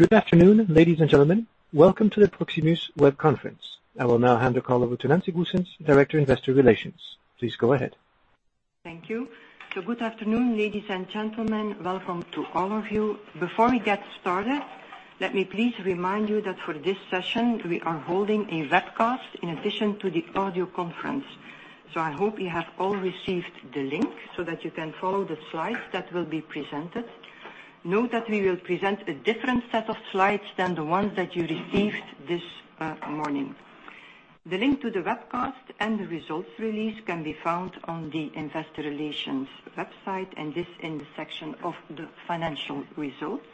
Good afternoon, ladies and gentlemen. Welcome to the Proximus web conference. I will now hand the call over to Nancy Goossens, Director, Investor Relations. Please go ahead. Thank you. Good afternoon, ladies and gentlemen. Welcome to all of you. Before we get started, let me please remind you that for this session, we are holding a webcast in addition to the audio conference. I hope you have all received the link so that you can follow the slides that will be presented. Note that we will present a different set of slides than the ones that you received this morning. The link to the webcast and the results release can be found on the investor relations website, and this in the section of the financial results.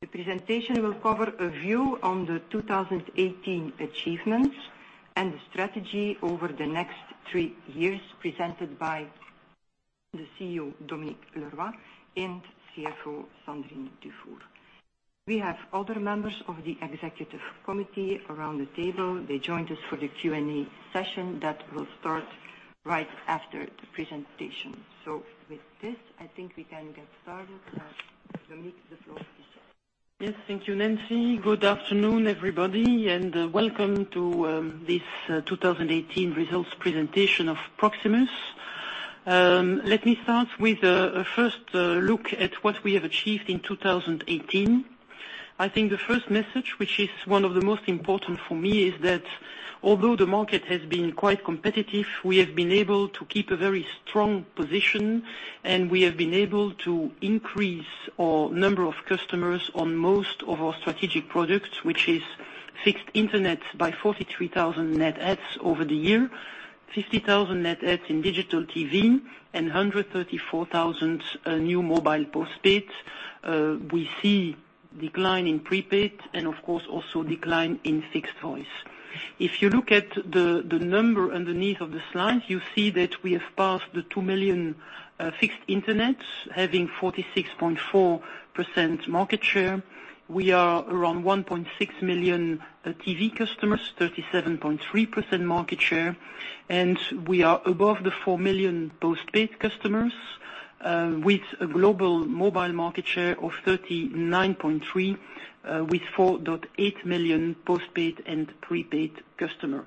The presentation will cover a view on the 2018 achievements and the strategy over the next three years, presented by the CEO, Dominique Leroy, and CFO, Sandrine Dufour. We have other members of the executive committee around the table. They joined us for the Q&A session that will start right after the presentation. With this, I think we can get started. Dominique, the floor is yours. Yes, thank you, Nancy. Good afternoon, everybody, and welcome to this 2018 results presentation of Proximus. Let me start with a first look at what we have achieved in 2018. I think the first message, which is one of the most important for me, is that although the market has been quite competitive, we have been able to keep a very strong position, and we have been able to increase our number of customers on most of our strategic products, which is fixed Internet by 43,000 net adds over the year, 50,000 net adds in digital TV, and 134,000 new mobile postpaid. We see decline in prepaid and, of course, also decline in fixed voice. If you look at the number underneath of the slide, you see that we have passed the two million fixed Internet, having 46.4% market share. We are around 1.6 million TV customers, 37.3% market share. We are above the 4 million postpaid customers with a global mobile market share of 39.3%, with 4.8 million postpaid and prepaid customer.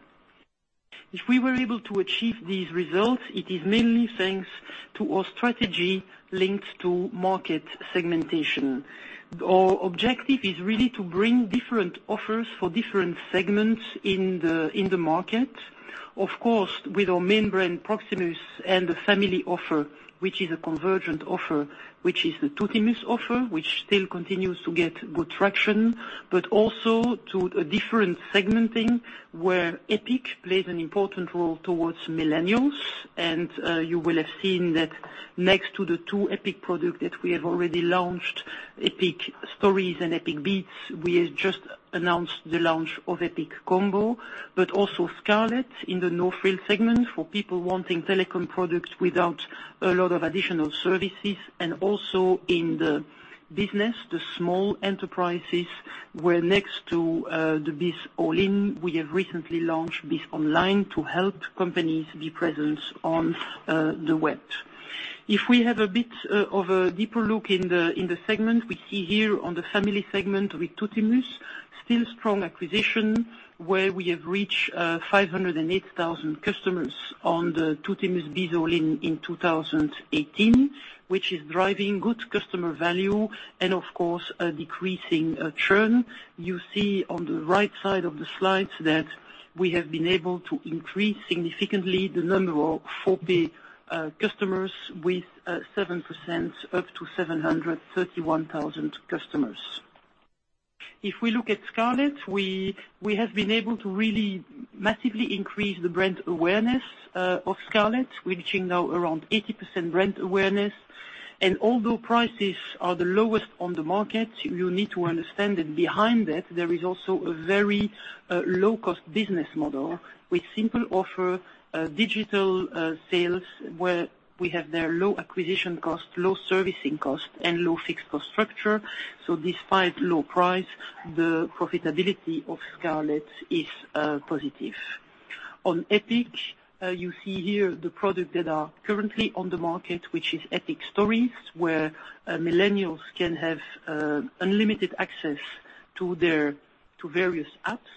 If we were able to achieve these results, it is mainly thanks to our strategy linked to market segmentation. Our objective is really to bring different offers for different segments in the market. Of course, with our main brand, Proximus, and the family offer, which is a convergent offer, which is the Tuttimus offer, which still continues to get good traction, but also to a different segmenting where Epic plays an important role towards Millennials. You will have seen that next to the two Epic products that we have already launched, Epic Stories and Epic Beats, we have just announced the launch of Epic Combo, but also Scarlet in the no-frills segment for people wanting telecom products without a lot of additional services. Also in the business, the small enterprises, where next to the Bizz All-In, we have recently launched Bizz Online to help companies be present on the web. If we have a bit of a deeper look in the segment, we see here on the family segment with Tuttimus, still strong acquisition, where we have reached 508,000 customers on the Tuttimus Bizz All-In in 2018, which is driving good customer value and, of course, a decreasing churn. You see on the right side of the slide that we have been able to increase significantly the number of 4G customers with 7%, up to 731,000 customers. If we look at Scarlet, we have been able to really massively increase the brand awareness of Scarlet, reaching now around 80% brand awareness. Although prices are the lowest on the market, you need to understand that behind that, there is also a very low-cost business model with simple offer, digital sales, where we have there low acquisition cost, low servicing cost, and low fixed cost structure. Despite low price, the profitability of Scarlet is positive. On Epic, you see here the product that are currently on the market, which is Epic Stories, where Millennials can have unlimited access to various apps,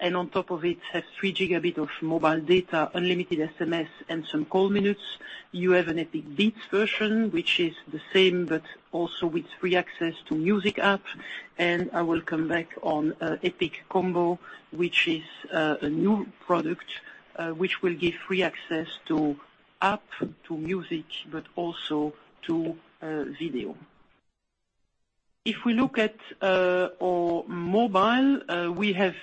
and on top of it, have 3 gigabytes of mobile data, unlimited SMS, and some call minutes. You have an Epic Beats version, which is the same, but also with free access to music app. I will come back on Epic Combo, which is a new product, which will give free access to app, to music, but also to video. If we look at our mobile, we have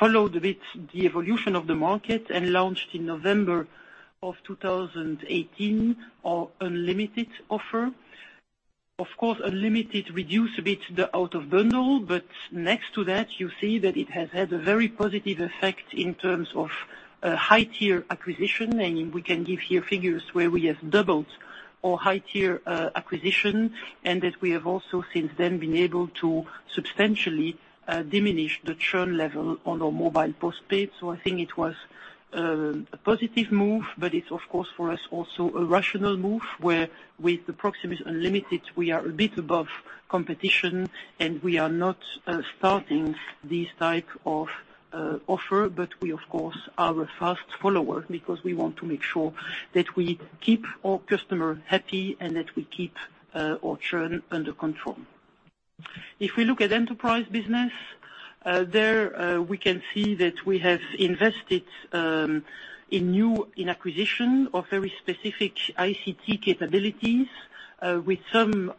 followed a bit the evolution of the market and launched in November of 2018 our unlimited offer. Of course, unlimited reduced a bit the out of bundle, but next to that, you see that it has had a very positive effect in terms of high-tier acquisition. I mean, we can give here figures where we have doubled our high-tier acquisition. We have also since then been able to substantially diminish the churn level on our mobile postpaid. I think it was a positive move, but it's of course for us also a rational move where with the Mobile Unlimited, we are a bit above competition, and we are not starting this type of offer. We, of course, are a fast follower because we want to make sure that we keep our customer happy and that we keep our churn under control. If we look at enterprise business, there we can see that we have invested in acquisition of very specific ICT capabilities, with some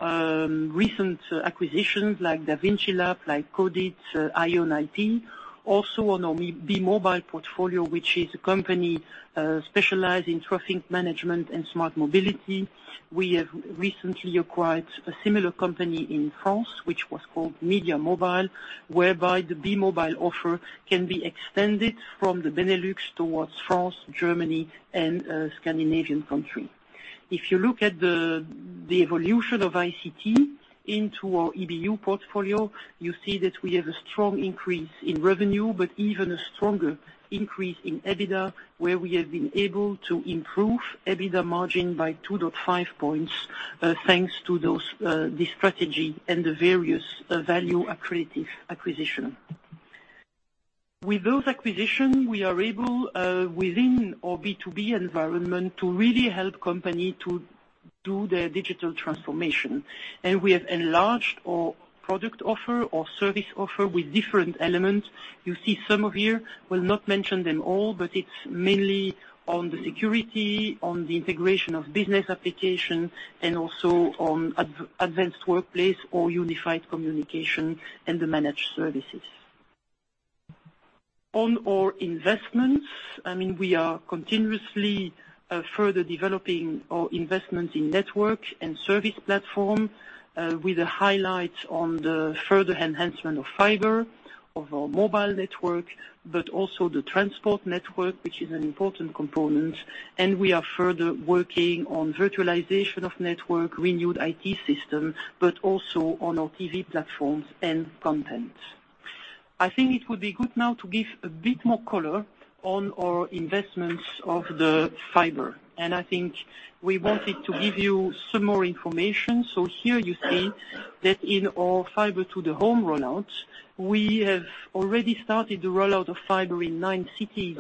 recent acquisitions like Davinsi Labs, like Codit, ION-IP, also on our Be-Mobile portfolio, which is a company specialized in traffic management and smart mobility. We have recently acquired a similar company in France, which was called Mediamobile, whereby the Be-Mobile offer can be extended from the Benelux towards France, Germany, and Scandinavian countries. If you look at the evolution of ICT into our EBU portfolio, you see that we have a strong increase in revenue, but even a stronger increase in EBITDA, where we have been able to improve EBITDA margin by 2.5 points, thanks to this strategy and the various value accretive acquisition. With those acquisition, we are able, within our B2B environment, to really help company to do their digital transformation. We have enlarged our product offer, our service offer with different elements. You see some of here, will not mention them all, but it's mainly on the security, on the integration of business application, and also on advanced workplace or unified communication and the managed services. On our investments, we are continuously further developing our investments in network and service platform, with a highlight on the further enhancement of fiber, of our mobile network, but also the transport network, which is an important component, and we are further working on virtualization of network, renewed IT system, but also on our TV platforms and content. I think it would be good now to give a bit more color on our investments of the fiber. I think we wanted to give you some more information. Here you see that in our fiber to the home rollout, we have already started the rollout of fiber in nine cities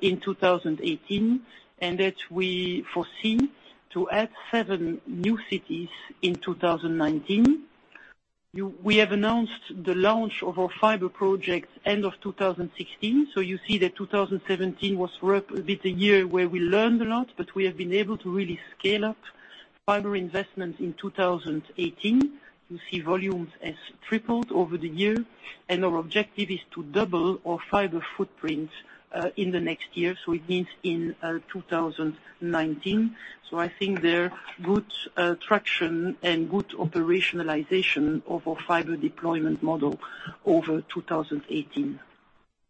in 2018, and that we foresee to add seven new cities in 2019. We have announced the launch of our fiber project end of 2016. You see that 2017 was a bit a year where we learned a lot, but we have been able to really scale up fiber investment in 2018. You see volumes has tripled over the year, and our objective is to double our fiber footprint in the next year, so it means in 2019. I think there, good traction and good operationalization of our fiber deployment model over 2018.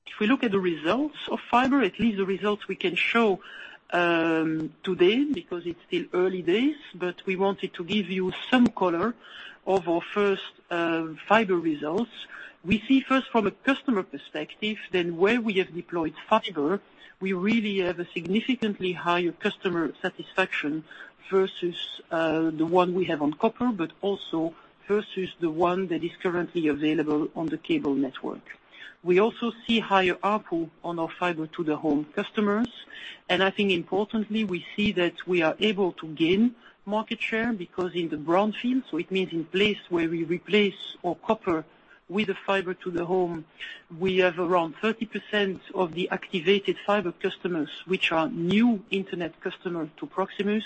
If we look at the results of fiber, at least the results we can show today because it's still early days, but we wanted to give you some color of our first fiber results. We see first from a customer perspective, that where we have deployed fiber, we really have a significantly higher customer satisfaction versus the one we have on copper, but also versus the one that is currently available on the cable network. We also see higher ARPU on our fiber to the home customers. I think importantly, we see that we are able to gain market share because in the brownfields, so it means in place where we replace our copper with a fiber to the home, we have around 30% of the activated fiber customers which are new internet customer to Proximus.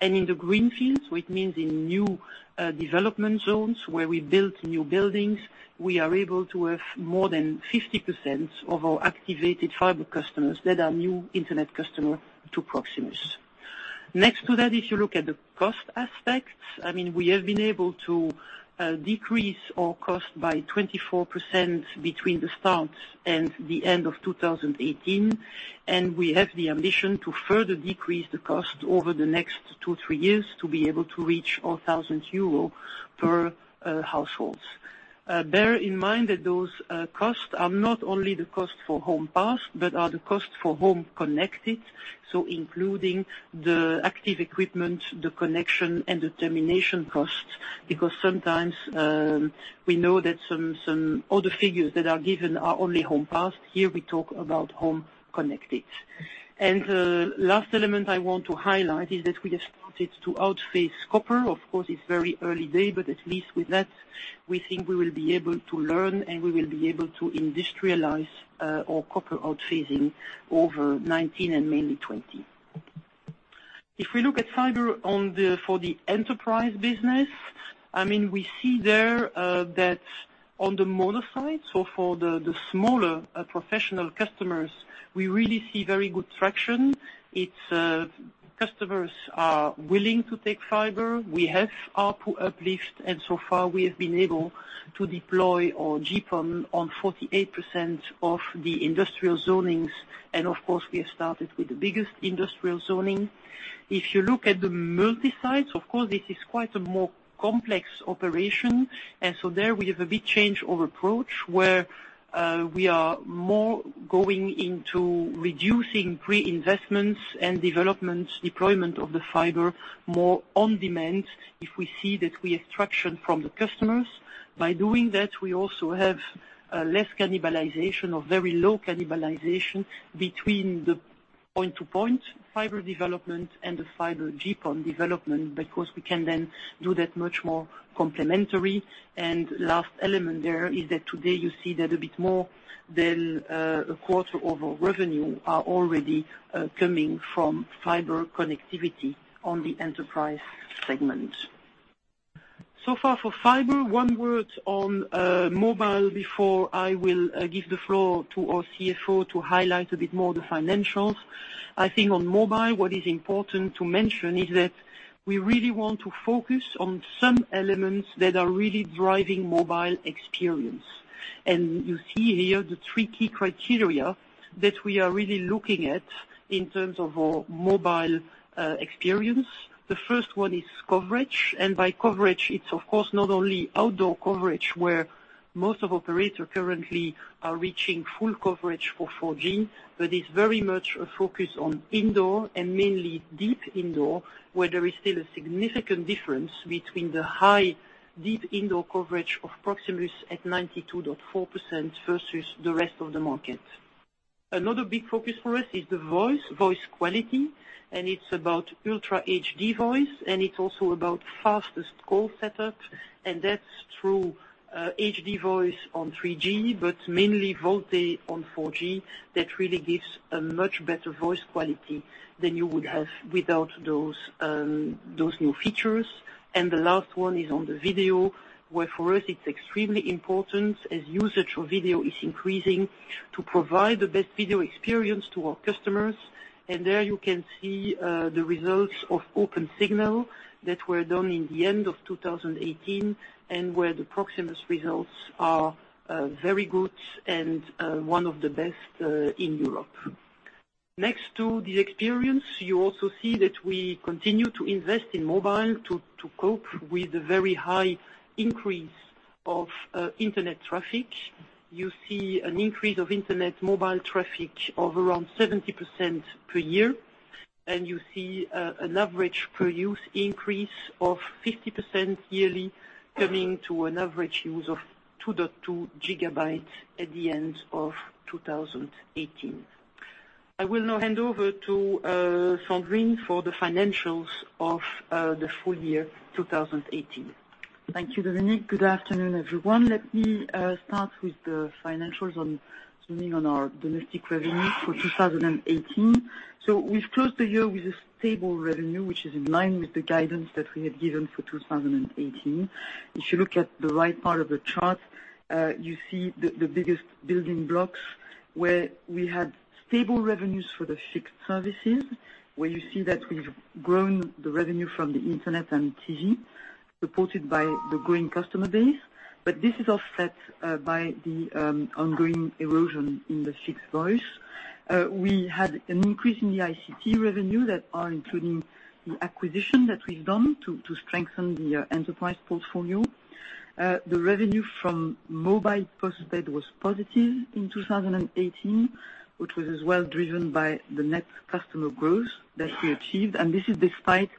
In the greenfields, so it means in new development zones where we built new buildings, we are able to have more than 50% of our activated fiber customers that are new internet customer to Proximus. Next to that, if you look at the cost aspects, we have been able to decrease our cost by 24% between the start and the end of 2018, and we have the ambition to further decrease the cost over the next two, three years to be able to reach our 1,000 euro per household. Bear in mind that those costs are not only the cost for home passed, but are the cost for home connected, so including the active equipment, the connection, and the termination cost. Because sometimes, we know that some other figures that are given are only home passed. Here we talk about home connected. The last element I want to highlight is that we have started to outphase copper. Of course, it's very early day, but at least with that, we think we will be able to learn, and we will be able to industrialize our copper outphasing over 2019 and mainly 2020. If we look at fiber for the enterprise business, we see there that on the mono site, so for the smaller professional customers, we really see very good traction. Customers are willing to take fiber. We have ARPU uplift, and so far we have been able to deploy our GPON on 48% of the industrial zonings. Of course, we have started with the biggest industrial zoning. If you look at the multi-sites, of course, this is quite a more complex operation. There we have a big change of approach where we are more going into reducing pre-investments and development deployment of the fiber more on demand, if we see that we have traction from the customers. By doing that, we also have less cannibalization or very low cannibalization between the point-to-point fiber development and the fiber GPON development, because we can then do that much more complementary. Last element there is that today you see that a bit more than a quarter of our revenue are already coming from fiber connectivity on the enterprise segment. So far for fiber. One word on mobile before I will give the floor to our CFO to highlight a bit more the financials. I think on mobile, what is important to mention is that we really want to focus on some elements that are really driving mobile experience. You see here the three key criteria that we are really looking at in terms of our mobile experience. The first one is coverage. By coverage, it's of course, not only outdoor coverage where most of operators currently are reaching full coverage for 4G, but it's very much a focus on indoor, and mainly deep indoor, where there is still a significant difference between the high deep indoor coverage of Proximus at 92.4% versus the rest of the market. Another big focus for us is the voice quality, and it's about ultra HD voice, and it's also about fastest call set up, and that's through HD voice on 3G, but mainly VoLTE on 4G. That really gives a much better voice quality than you would have without those new features. The last one is on the video, where for us it's extremely important as usage of video is increasing, to provide the best video experience to our customers. There you can see the results of OpenSignal that were done in the end of 2018 and where the Proximus results are very good and one of the best in Europe. Next to the experience, you also see that we continue to invest in mobile to cope with the very high increase of internet traffic. You see an increase of internet mobile traffic of around 70% per year, and you see an average per use increase of 50% yearly coming to an average use of 2.2 gigabytes at the end of 2018. I will now hand over to Sandrine for the financials of the full year 2018. Thank you, Dominique. Good afternoon, everyone. Let me start with the financials on zooming on our domestic revenue for 2018. We've closed the year with a stable revenue, which is in line with the guidance that we had given for 2018. If you look at the right part of the chart, you see the biggest building blocks where we had stable revenues for the fixed services, where you see that we've grown the revenue from the internet and TV, supported by the growing customer base. This is offset by the ongoing erosion in the fixed voice. We had an increase in the ICT revenue that are including the acquisition that we've done to strengthen the enterprise portfolio. The revenue from mobile postpaid was positive in 2018, which was as well driven by the net customer growth that we achieved. This is despite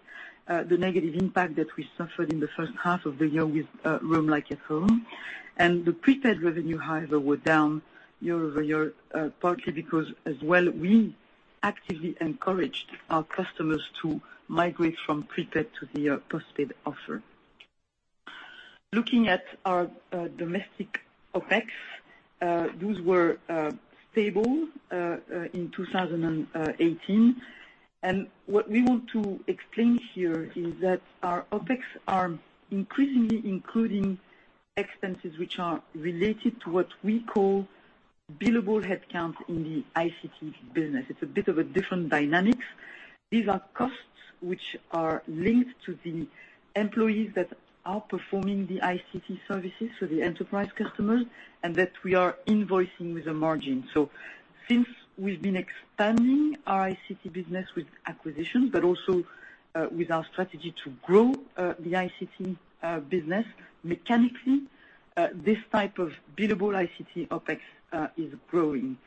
the negative impact that we suffered in the first half of the year with Roam Like at Home. The prepaid revenue, however, were down year-over-year, partly because as well, we actively encouraged our customers to migrate from prepaid to the postpaid offer. Looking at our domestic OpEx, those were stable in 2018. What we want to explain here is that our OpEx are increasingly including expenses which are related to what we call billable headcount in the ICT business. It's a bit of a different dynamic. These are costs which are linked to the employees that are performing the ICT services for the enterprise customers, and that we are invoicing with a margin. Since we've been expanding our ICT business with acquisition, but also with our strategy to grow the ICT business, mechanically, this type of billable ICT OpEx, is growing.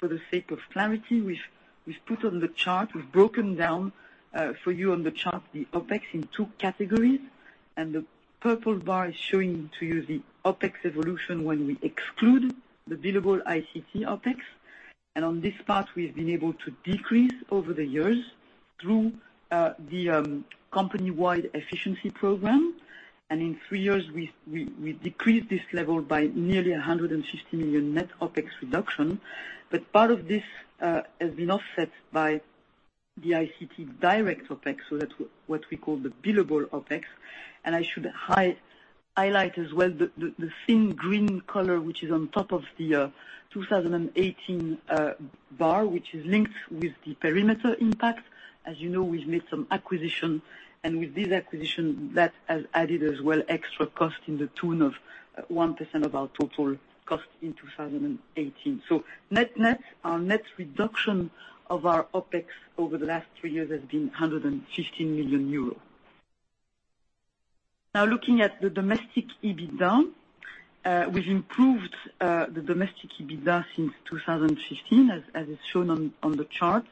For the sake of clarity, we've put on the chart, we've broken down for you on the chart the OpEx in two categories. The purple bar is showing to you the OpEx evolution when we exclude the billable ICT OpEx. On this part, we've been able to decrease over the years through the company-wide efficiency program. In three years, we decreased this level by nearly 150 million net OpEx reduction. Part of this has been offset by the ICT direct OpEx, so that's what we call the billable OpEx. I should highlight as well the thin green color, which is on top of the 2018 bar, which is linked with the perimeter impact. As you know, we've made some acquisition, and with this acquisition that has added as well extra cost in the tune of 1% of our total cost in 2018. Net-net, our net reduction of our OpEx over the last three years has been 115 million euros. Looking at the domestic EBITDA. We've improved the domestic EBITDA since 2015, as is shown on the chart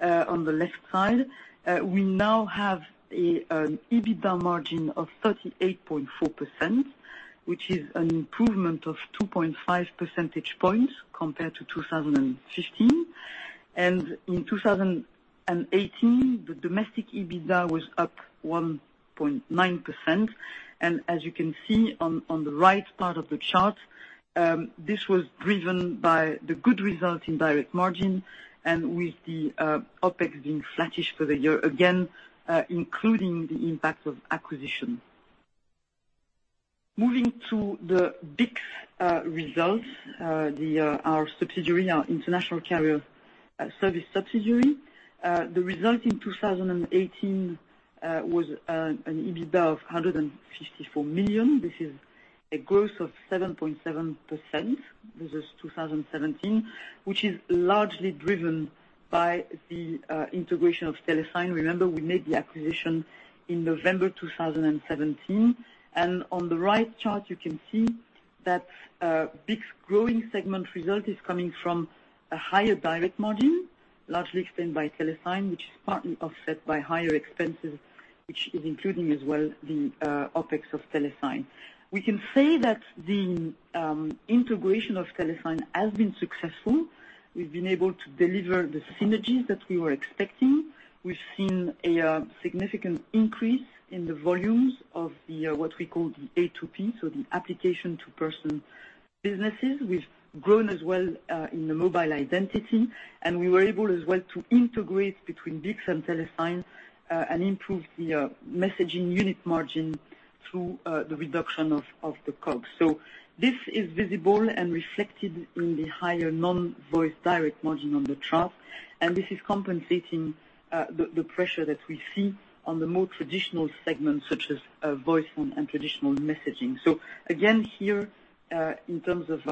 on the left side. We now have an EBITDA margin of 38.4%, which is an improvement of 2.5 percentage points compared to 2015. In 2018, the domestic EBITDA was up 1.9%. As you can see on the right part of the chart, this was driven by the good result in direct margin and with the OpEx being flattish for the year, again, including the impact of acquisition. Moving to the BICS results, our subsidiary, our international carrier service subsidiary. The result in 2018 was an EBITDA of 154 million. This is a growth of 7.7% versus 2017, which is largely driven by the integration of TeleSign. Remember, we made the acquisition in November 2017. On the right chart, you can see that BICS growing segment result is coming from a higher direct margin, largely explained by TeleSign, which is partly offset by higher expenses, which is including as well the OpEx of TeleSign. We can say that the integration of TeleSign has been successful. We've been able to deliver the synergies that we were expecting. We've seen a significant increase in the volumes of the, what we call the A2P, so the application-to-person businesses. We've grown as well in the mobile identity, and we were able as well to integrate between BICS and TeleSign, and improve the messaging unit margin through the reduction of the COGS. This is visible and reflected in the higher non-voice direct margin on the chart. This is compensating the pressure that we see on the more traditional segments such as voice and traditional messaging. Again, here, in terms of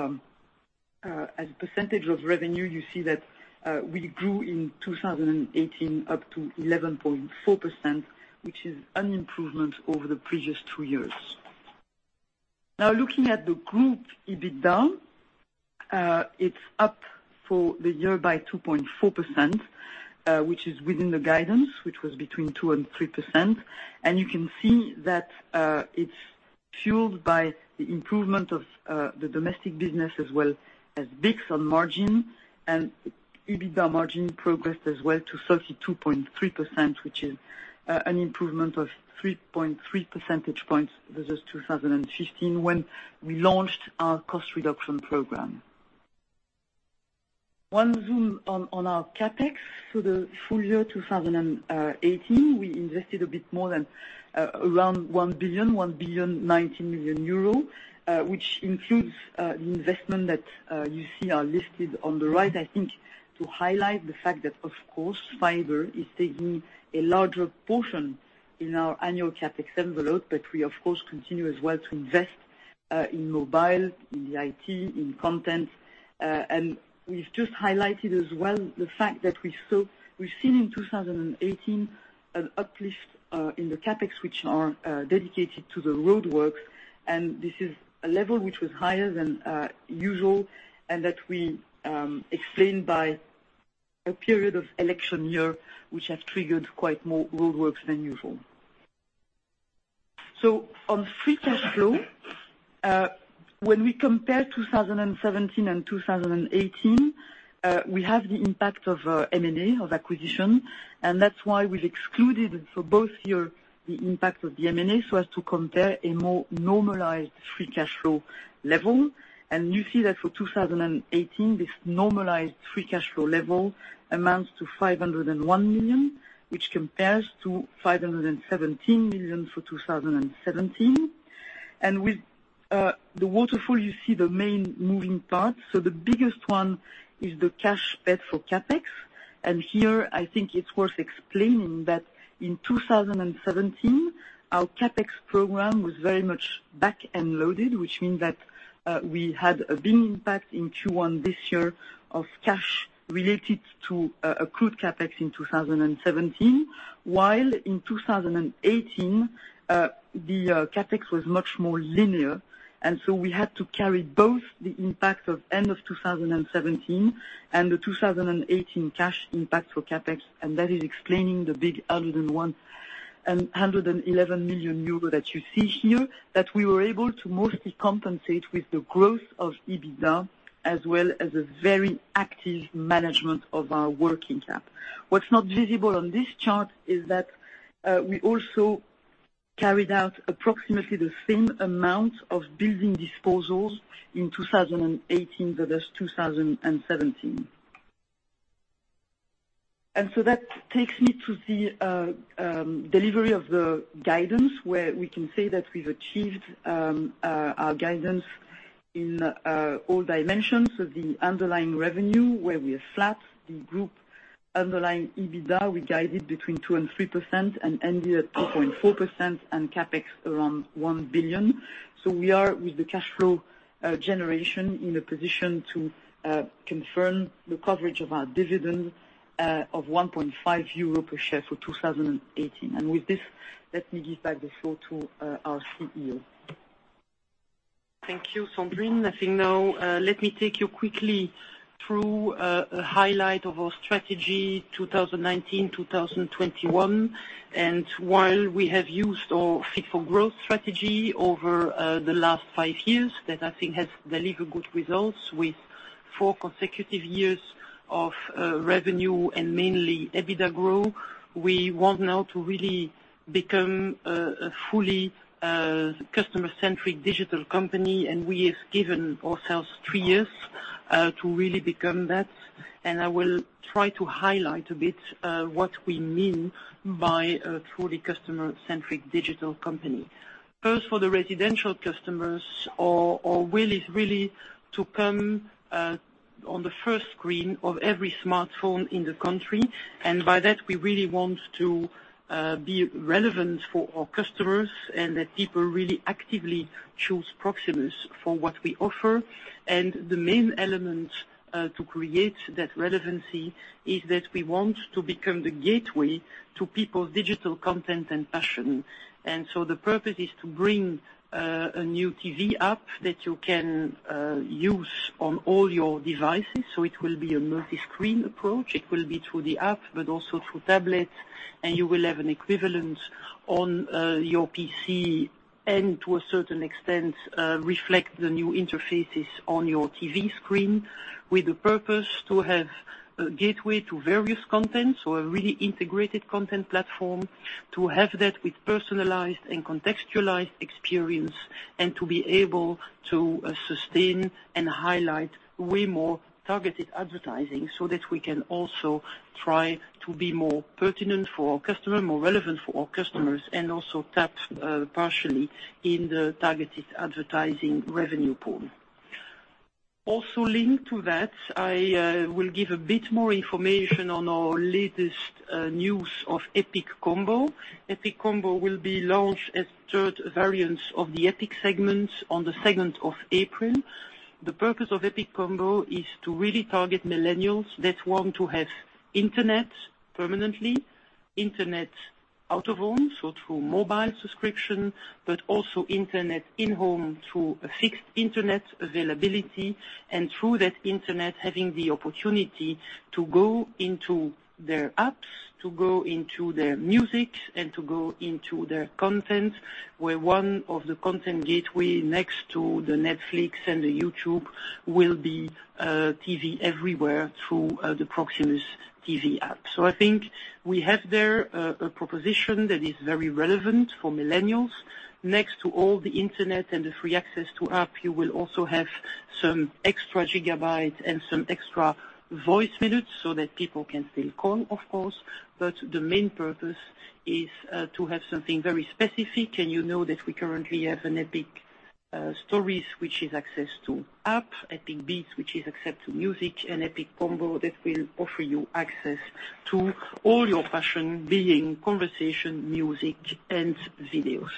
as a percentage of revenue, you see that we grew in 2018 up to 11.4%, which is an improvement over the previous two years. Looking at the group EBITDA, it's up for the year by 2.4%, which is within the guidance, which was between 2%-3%. You can see that it's fueled by the improvement of the domestic business as well as BICS on margin. EBITDA margin progressed as well to 32.3%, which is an improvement of 3.3 percentage points versus 2015 when we launched our cost reduction program. One zoom on our CapEx for the full year 2018. We invested a bit more than around 1 billion, 1 billion 90 million, which includes the investment that you see are listed on the right. I think to highlight the fact that, of course, fiber is taking a larger portion in our annual CapEx envelope, but we of course continue as well to invest in mobile, in the IT, in content. We've just highlighted as well the fact that we've seen in 2018 an uplift in the CapEx, which are dedicated to the roadworks. This is a level which was higher than usual and that we explained by a period of election year, which have triggered quite more roadworks than usual. On free cash flow, when we compare 2017 and 2018, we have the impact of M&A, of acquisition. That's why we've excluded for both years the impact of the M&A so as to compare a more normalized free cash flow level. You see that for 2018, this normalized free cash flow level amounts to 501 million, which compares to 517 million for 2017. With the waterfall, you see the main moving parts. The biggest one is the cash paid for CapEx. Here, I think it's worth explaining that in 2017, our CapEx program was very much back end loaded, which means that we had a big impact in Q1 this year of cash related to accrued CapEx in 2017. While in 2018, the CapEx was much more linear. We had to carry both the impact of end of 2017 and the 2018 cash impact for CapEx. That is explaining the big 111 million euro that you see here, that we were able to mostly compensate with the growth of EBITDA as well as a very active management of our working cap. What's not visible on this chart is that we also carried out approximately the same amount of building disposals in 2018 versus 2017. That takes me to the delivery of the guidance where we can say that we've achieved our guidance in all dimensions of the underlying revenue where we are flat. The group underlying EBITDA, we guided between 2% and 3% and ended at 2.4%, and CapEx around 1 billion. We are, with the cash flow generation, in a position to confirm the coverage of our dividend of 1.5 euro per share for 2018. With this, let me give back the floor to our CEO. Thank you, Sandrine. I think now let me take you quickly through a highlight of our Strategy 2019-2021. While we have used our Fit for Growth strategy over the last five years, that I think has delivered good results with four consecutive years of revenue and mainly EBITDA growth. We want now to really become a fully customer-centric digital company, we have given ourselves three years to really become that. I will try to highlight a bit what we mean by a truly customer-centric digital company. First, for the residential customers, our will is really to come on the first screen of every smartphone in the country. By that, we really want to be relevant for our customers, and that people really actively choose Proximus for what we offer. The main element to create that relevancy is that we want to become the gateway to people's digital content and passion. The purpose is to bring a new TV app that you can use on all your devices. So it will be a multi-screen approach. It will be through the app, but also through tablets, and you will have an equivalent on your PC, and to a certain extent, reflect the new interfaces on your TV screen with the purpose to have a gateway to various content, so a really integrated content platform. To have that with personalized and contextualized experience, and to be able to sustain and highlight way more targeted advertising, so that we can also try to be more pertinent for our customer, more relevant for our customers, and also tap partially in the targeted advertising revenue pool. Linked to that, I will give a bit more information on our latest news of Epic Combo. Epic Combo will be launched as third variance of the Epic segment on the 2nd of April. The purpose of Epic Combo is to really target millennials that want to have internet permanently, internet out of home, so through mobile subscription, but also internet in-home through a fixed internet availability. Through that internet, having the opportunity to go into their apps, to go into their music, and to go into their content, where one of the content gateway, next to the Netflix and the YouTube, will be TV everywhere through the Proximus TV app. I think we have there a proposition that is very relevant for millennials. Next to all the internet and the free access to app, you will also have some extra gigabytes and some extra voice minutes so that people can still call, of course. The main purpose is to have something very specific, and you know that we currently have an Epic stories, which is access to app, Epic beats, which is access to music, and Epic Combo that will offer you access to all your passion, being conversation, music, and videos.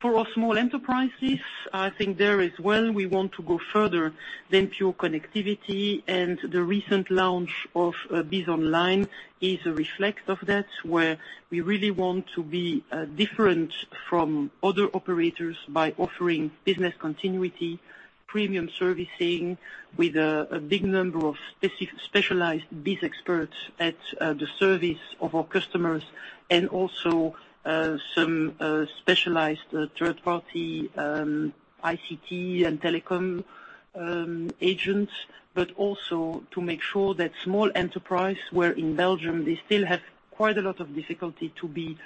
For our small enterprises, I think there as well, we want to go further than pure connectivity, the recent launch of Bizz Online is a reflect of that, where we really want to be different from other operators by offering business continuity, premium servicing with a big number of specialized Bizz experts at the service of our customers, and also some specialized third-party ICT and telecom agents. To make sure that small enterprise, where in Belgium, they still have quite a lot of difficulty to be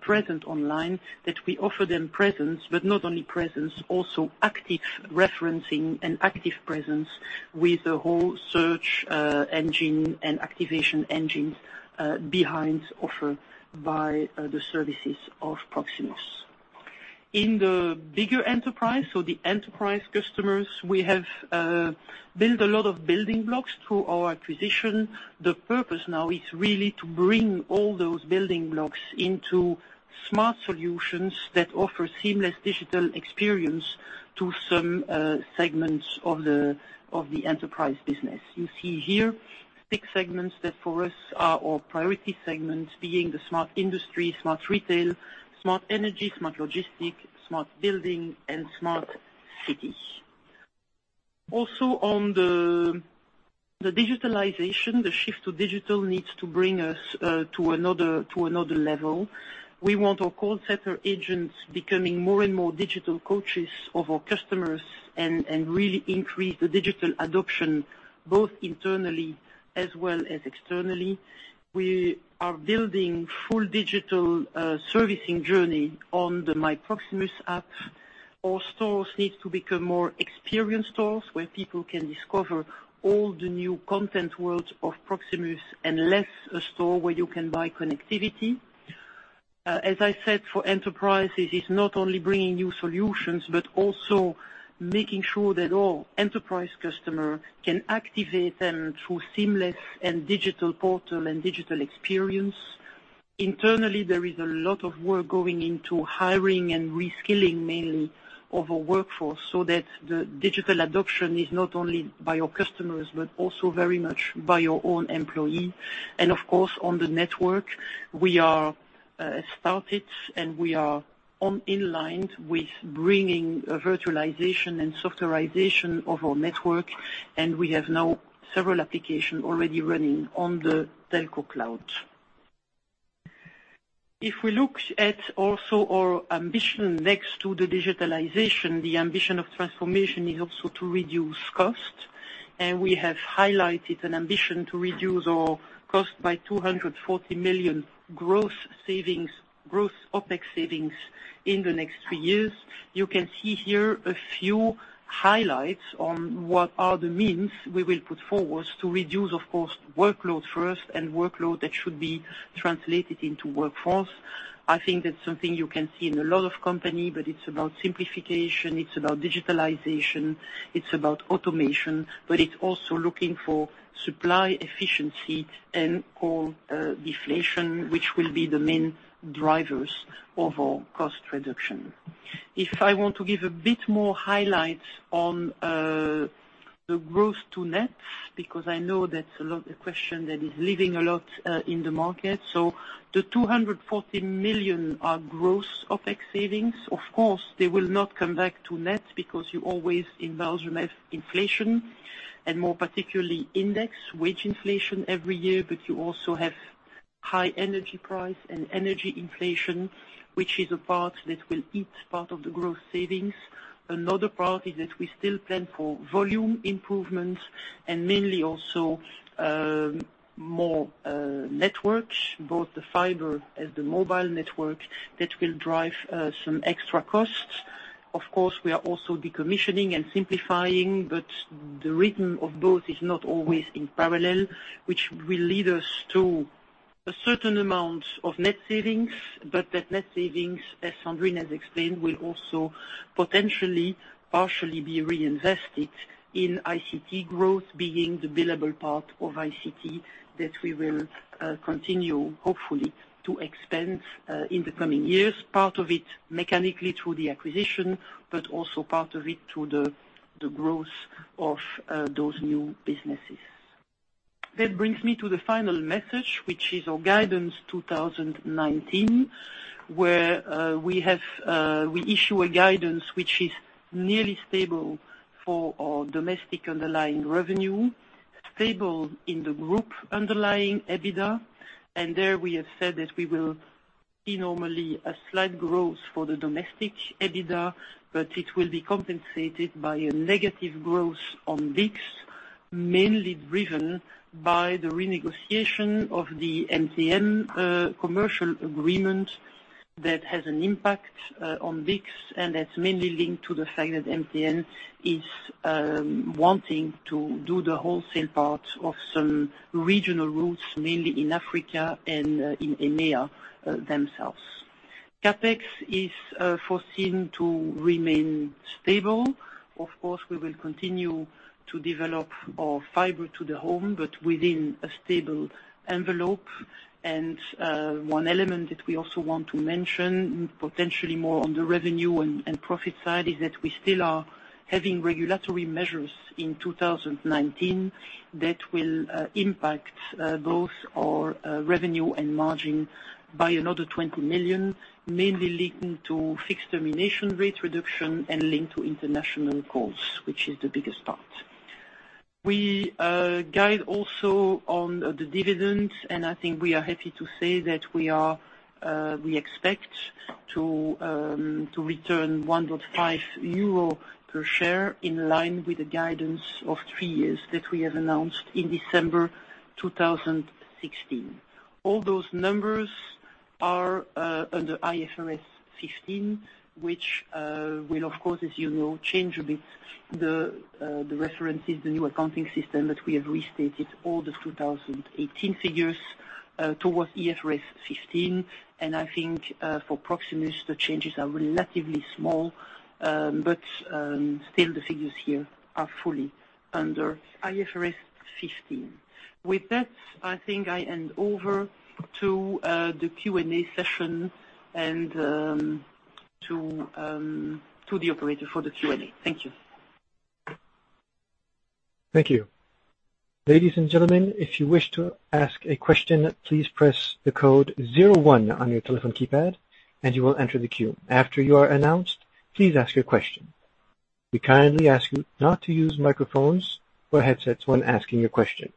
present online, that we offer them presence, but not only presence, also active referencing and active presence with a whole search engine and activation engine behind offer by the services of Proximus. In the bigger enterprise, so the enterprise customers, we have built a lot of building blocks through our acquisition. The purpose now is really to bring all those building blocks into smart solutions that offer seamless digital experience to some segments of the enterprise business. You see here 6 segments that for us are our priority segments, being the Smart Industry, Smart Retail, Smart Energy, Smart Logistics, Smart Building, and Smart City. Also on the digitalization, the Shift to Digital needs to bring us to another level. We want our call center agents becoming more and more digital coaches of our customers and really increase the digital adoption both internally as well as externally. We are building full digital servicing journey on the MyProximus app. Our stores need to become more experience stores, where people can discover all the new content worlds of Proximus, and less a store where you can buy connectivity. As I said, for enterprises, it's not only bringing new solutions, but also making sure that all enterprise customer can activate them through seamless and digital portal and digital experience. Internally, there is a lot of work going into hiring and reskilling, mainly of a workforce, so that the digital adoption is not only by your customers, but also very much by your own employee. Of course, on the network, we have started, and we are in line with bringing virtualization and softwarization of our network, and we have now several application already running on the telco cloud. If we look at also our ambition next to the digitalization, the ambition of transformation is also to reduce cost. And we have highlighted an ambition to reduce our cost by 240 million gross savings, gross OpEx savings in the next 3 years. You can see here a few highlights on what are the means we will put forward to reduce, of course, workload first and workload that should be translated into workforce. I think that's something you can see in a lot of company, but it's about simplification, it's about digitalization, it's about automation, but it's also looking for supply efficiency and call deflation, which will be the main drivers of our cost reduction. I want to give a bit more highlights on the gross to net, because I know that's a question that is living a lot in the market. So the 240 million are gross OpEx savings. Of course, they will not come back to net because you always immerse with inflation, and more particularly index wage inflation every year. But you also have high energy price and energy inflation, which is a part that will eat part of the gross savings. Another part is that we still plan for volume improvements and mainly also more network, both the fiber and the mobile network that will drive some extra costs. Of course, we are also decommissioning and simplifying, but the rhythm of both is not always in parallel, which will lead us to a certain amount of net savings. That net savings, as Sandrine has explained, will also potentially, partially be reinvested in ICT growth, being the billable part of ICT that we will continue, hopefully, to expand in the coming years. Part of it mechanically through the acquisition, but also part of it through the growth of those new businesses. That brings me to the final message, which is our guidance 2019, where we issue a guidance which is nearly stable for our domestic underlying revenue, stable in the group underlying EBITDA. There we have said that we will see normally a slight growth for the domestic EBITDA, but it will be compensated by a negative growth on BICS, mainly driven by the renegotiation of the MTN commercial agreement that has an impact on BICS and that's mainly linked to the fact that MTN is wanting to do the wholesale part of some regional routes, mainly in Africa and in EMEA themselves. CapEx is foreseen to remain stable. Of course, we will continue to develop our fiber to the home, but within a stable envelope. One element that we also want to mention, potentially more on the revenue and profit side, is that we still are having regulatory measures in 2019 that will impact both our revenue and margin by another 20 million, mainly linked to fixed termination rate reduction and linked to international calls, which is the biggest part. We guide also on the dividend, and I think we are happy to say that we expect to return 1.5 euro per share in line with the guidance of three years that we have announced in December 2016. All those numbers are under IFRS 15, which will, of course, as you know, change a bit the references, the new accounting system that we have restated all the 2018 figures towards IFRS 15. I think for Proximus, the changes are relatively small, but still the figures here are fully under IFRS 15. With that, I think I hand over to the Q&A session and to the operator for the Q&A. Thank you. Thank you. Ladies and gentlemen, if you wish to ask a question, please press the code zero one on your telephone keypad and you will enter the queue. After you are announced, please ask your question. We kindly ask you not to use microphones or headsets when asking your question.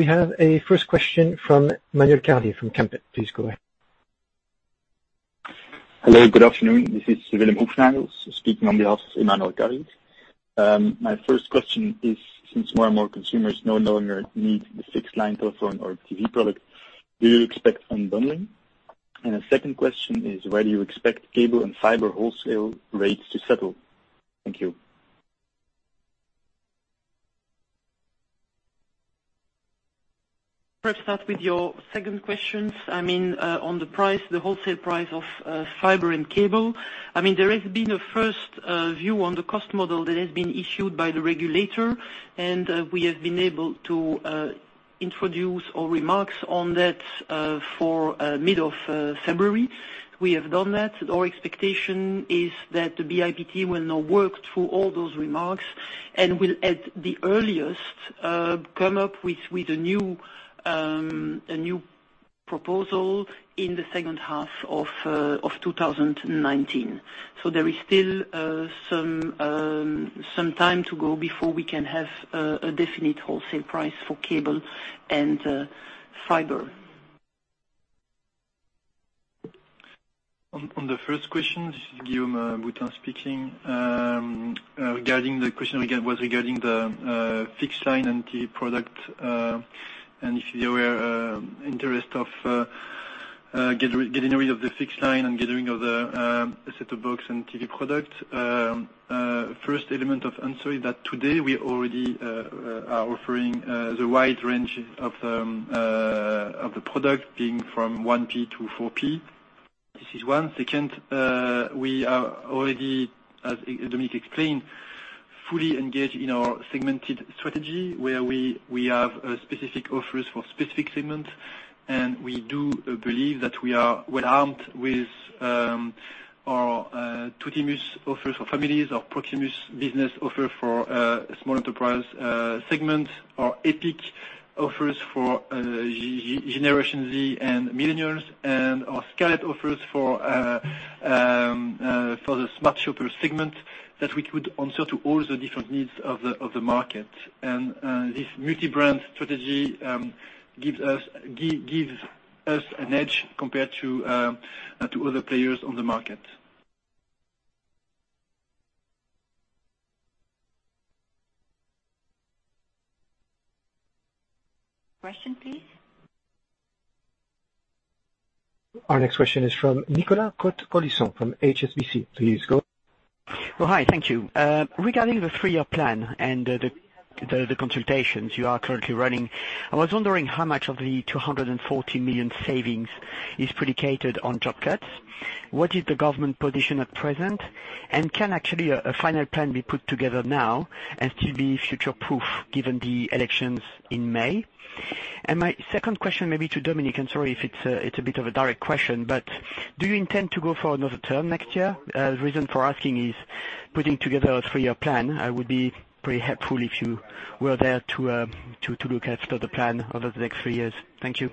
We have a first question from Emmanuel Caldi from Kempen. Please go ahead. Hello, good afternoon. This is Willem Hoefnagels, speaking on behalf of Emmanuel Caldi. My first question is, since more and more consumers no longer need the fixed line telephone or TV product, do you expect unbundling? The second question is, where do you expect cable and fiber wholesale rates to settle? Thank you. Perhaps start with your second questions. On the price, the wholesale price of fiber and cable. There has been a first view on the cost model that has been issued by the regulator, and we have been able to introduce our remarks on that for mid of February. We have done that. Our expectation is that the BIPT will now work through all those remarks and will, at the earliest, come up with a new proposal in the second half of 2019. There is still some time to go before we can have a definite wholesale price for cable and fiber. On the first question, this is Guillaume Boutin speaking. The question was regarding the fixed line and TV product, and if you were interested of getting rid of the fixed line and getting rid of the set-top box and TV product. First element of answer is that today we already are offering the wide range of the product, being from 1P to 4P. This is one. Second, we are already, as Dominique explained, fully engaged in our segmented strategy, where we have specific offers for specific segments, and we do believe that we are well-armed with our Tuttimus offers for families, our Proximus business offer for small enterprise segments, our Epic offers for Generation Z and Millennials, and our Scarlet offers for the smart shopper segment, that we could answer to all the different needs of the market. This multi-brand strategy gives us an edge compared to other players on the market. Question, please. Our next question is from Nicolas Cote-Colisson from HSBC. Please go ahead. Hi, thank you. Regarding the three-year plan and the consultations you are currently running, I was wondering how much of the 240 million savings is predicated on job cuts. What is the government position at present, and can actually a final plan be put together now and still be future-proof given the elections in May? My second question may be to Dominique, sorry if it's a bit of a direct question, do you intend to go for another term next year? Reason for asking is putting together a three-year plan. I would be pretty helpful if you were there to look after the plan over the next three years. Thank you.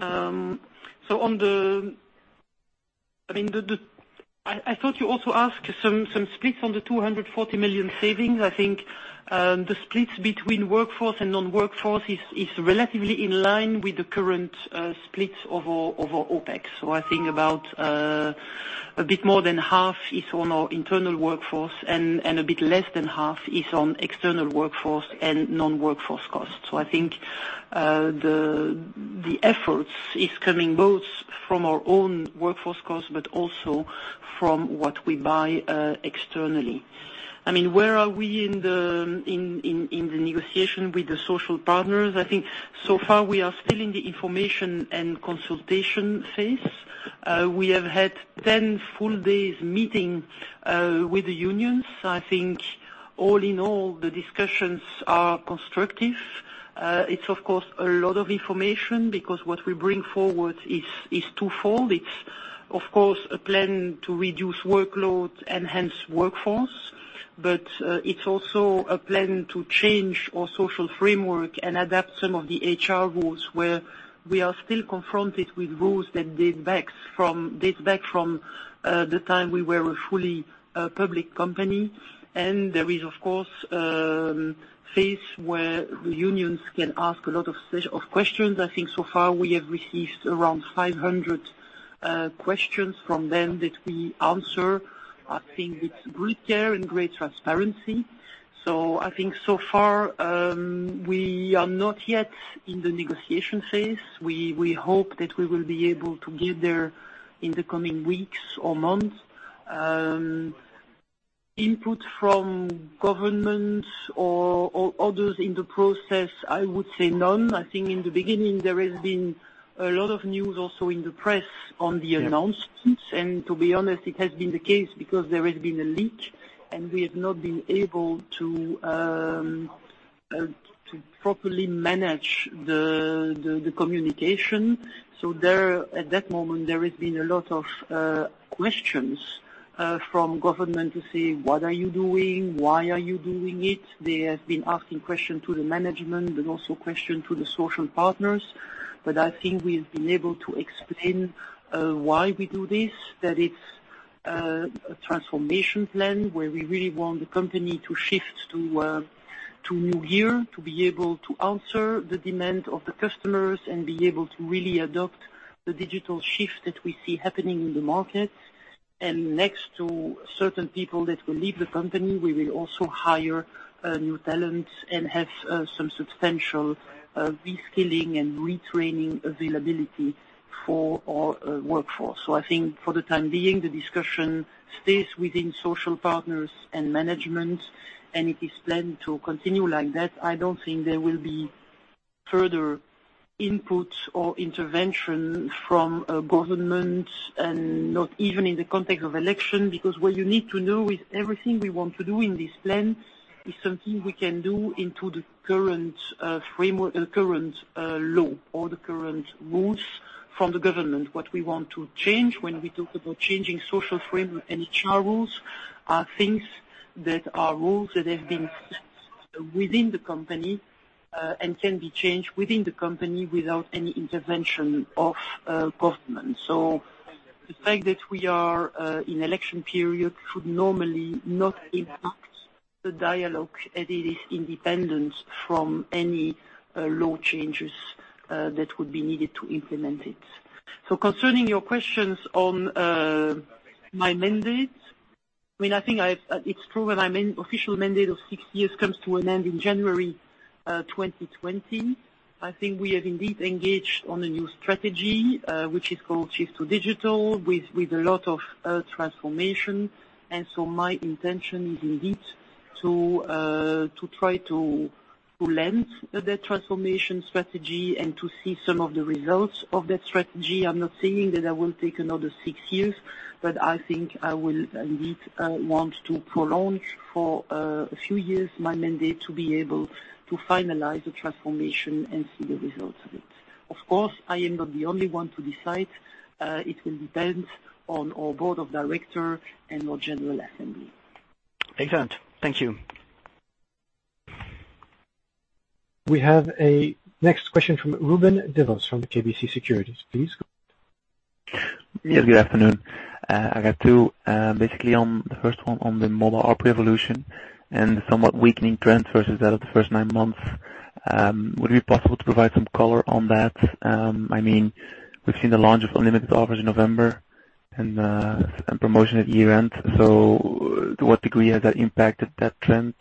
I thought you also asked some splits on the 240 million savings. I think the splits between workforce and non-workforce is relatively in line with the current splits of our OpEx. I think about a bit more than half is on our internal workforce and a bit less than half is on external workforce and non-workforce costs. I think the efforts is coming both from our own workforce costs, also from what we buy externally. Where are we in the negotiation with the social partners? I think so far we are still in the information and consultation phase. We have had 10 full days meeting with the unions. I think all in all, the discussions are constructive. It's of course a lot of information because what we bring forward is twofold. It's of course a plan to reduce workload and hence workforce, it's also a plan to change our social framework and adapt some of the HR rules where we are still confronted with rules that date back from the time we were a fully public company. There is, of course, a phase where the unions can ask a lot of questions. I think so far we have received around 500 questions from them that we answer. I think with great care and great transparency. I think so far we are not yet in the negotiation phase. We hope that we will be able to get there in the coming weeks or months. Input from government or others in the process, I would say none. I think in the beginning, there has been a lot of news also in the press on the announcements. To be honest, it has been the case because there has been a leak and we have not been able to properly manage the communication. At that moment, there has been a lot of questions from government to say, "What are you doing? Why are you doing it?" They have been asking questions to the management, but also questions to the social partners. I think we've been able to explain why we do this, that it's a transformation plan where we really want the company to shift to new era, to be able to answer the demand of the customers and be able to really adopt the digital shift that we see happening in the market. Next to certain people that will leave the company, we will also hire new talents and have some substantial reskilling and retraining availability for our workforce. I think for the time being, the discussion stays within social partners and management, and it is planned to continue like that. I don't think there will be further input or intervention from government, and not even in the context of election, because what you need to know is everything we want to do in this plan is something we can do into the current law or the current rules from the government. What we want to change when we talk about changing social framework and HR rules are things that are rules that have been set within the company, and can be changed within the company without any intervention of government. The fact that we are in election period should normally not impact the dialogue as it is independent from any law changes that would be needed to implement it. Concerning your questions on my mandate. I think it's true that my official mandate of six years comes to an end in January 2020. I think we have indeed engaged on a new strategy, which is called Shift to Digital, with a lot of transformation. My intention is indeed to try to lend that transformation strategy and to see some of the results of that strategy. I'm not saying that I will take another six years, but I think I will indeed want to prolong for a few years my mandate to be able to finalize the transformation and see the results of it. Of course, I am not the only one to decide. It will depend on our board of directors and our general assembly. Excellent. Thank you. We have a next question from Ruben Devos from KBC Securities, please. Yes, good afternoon. I got two. Basically, the first one on the mobile ARPU evolution and the somewhat weakening trend versus that of the first nine months. Would it be possible to provide some color on that? We have seen the launch of unlimited offers in November and promotion at year-end. To what degree has that impacted that trend?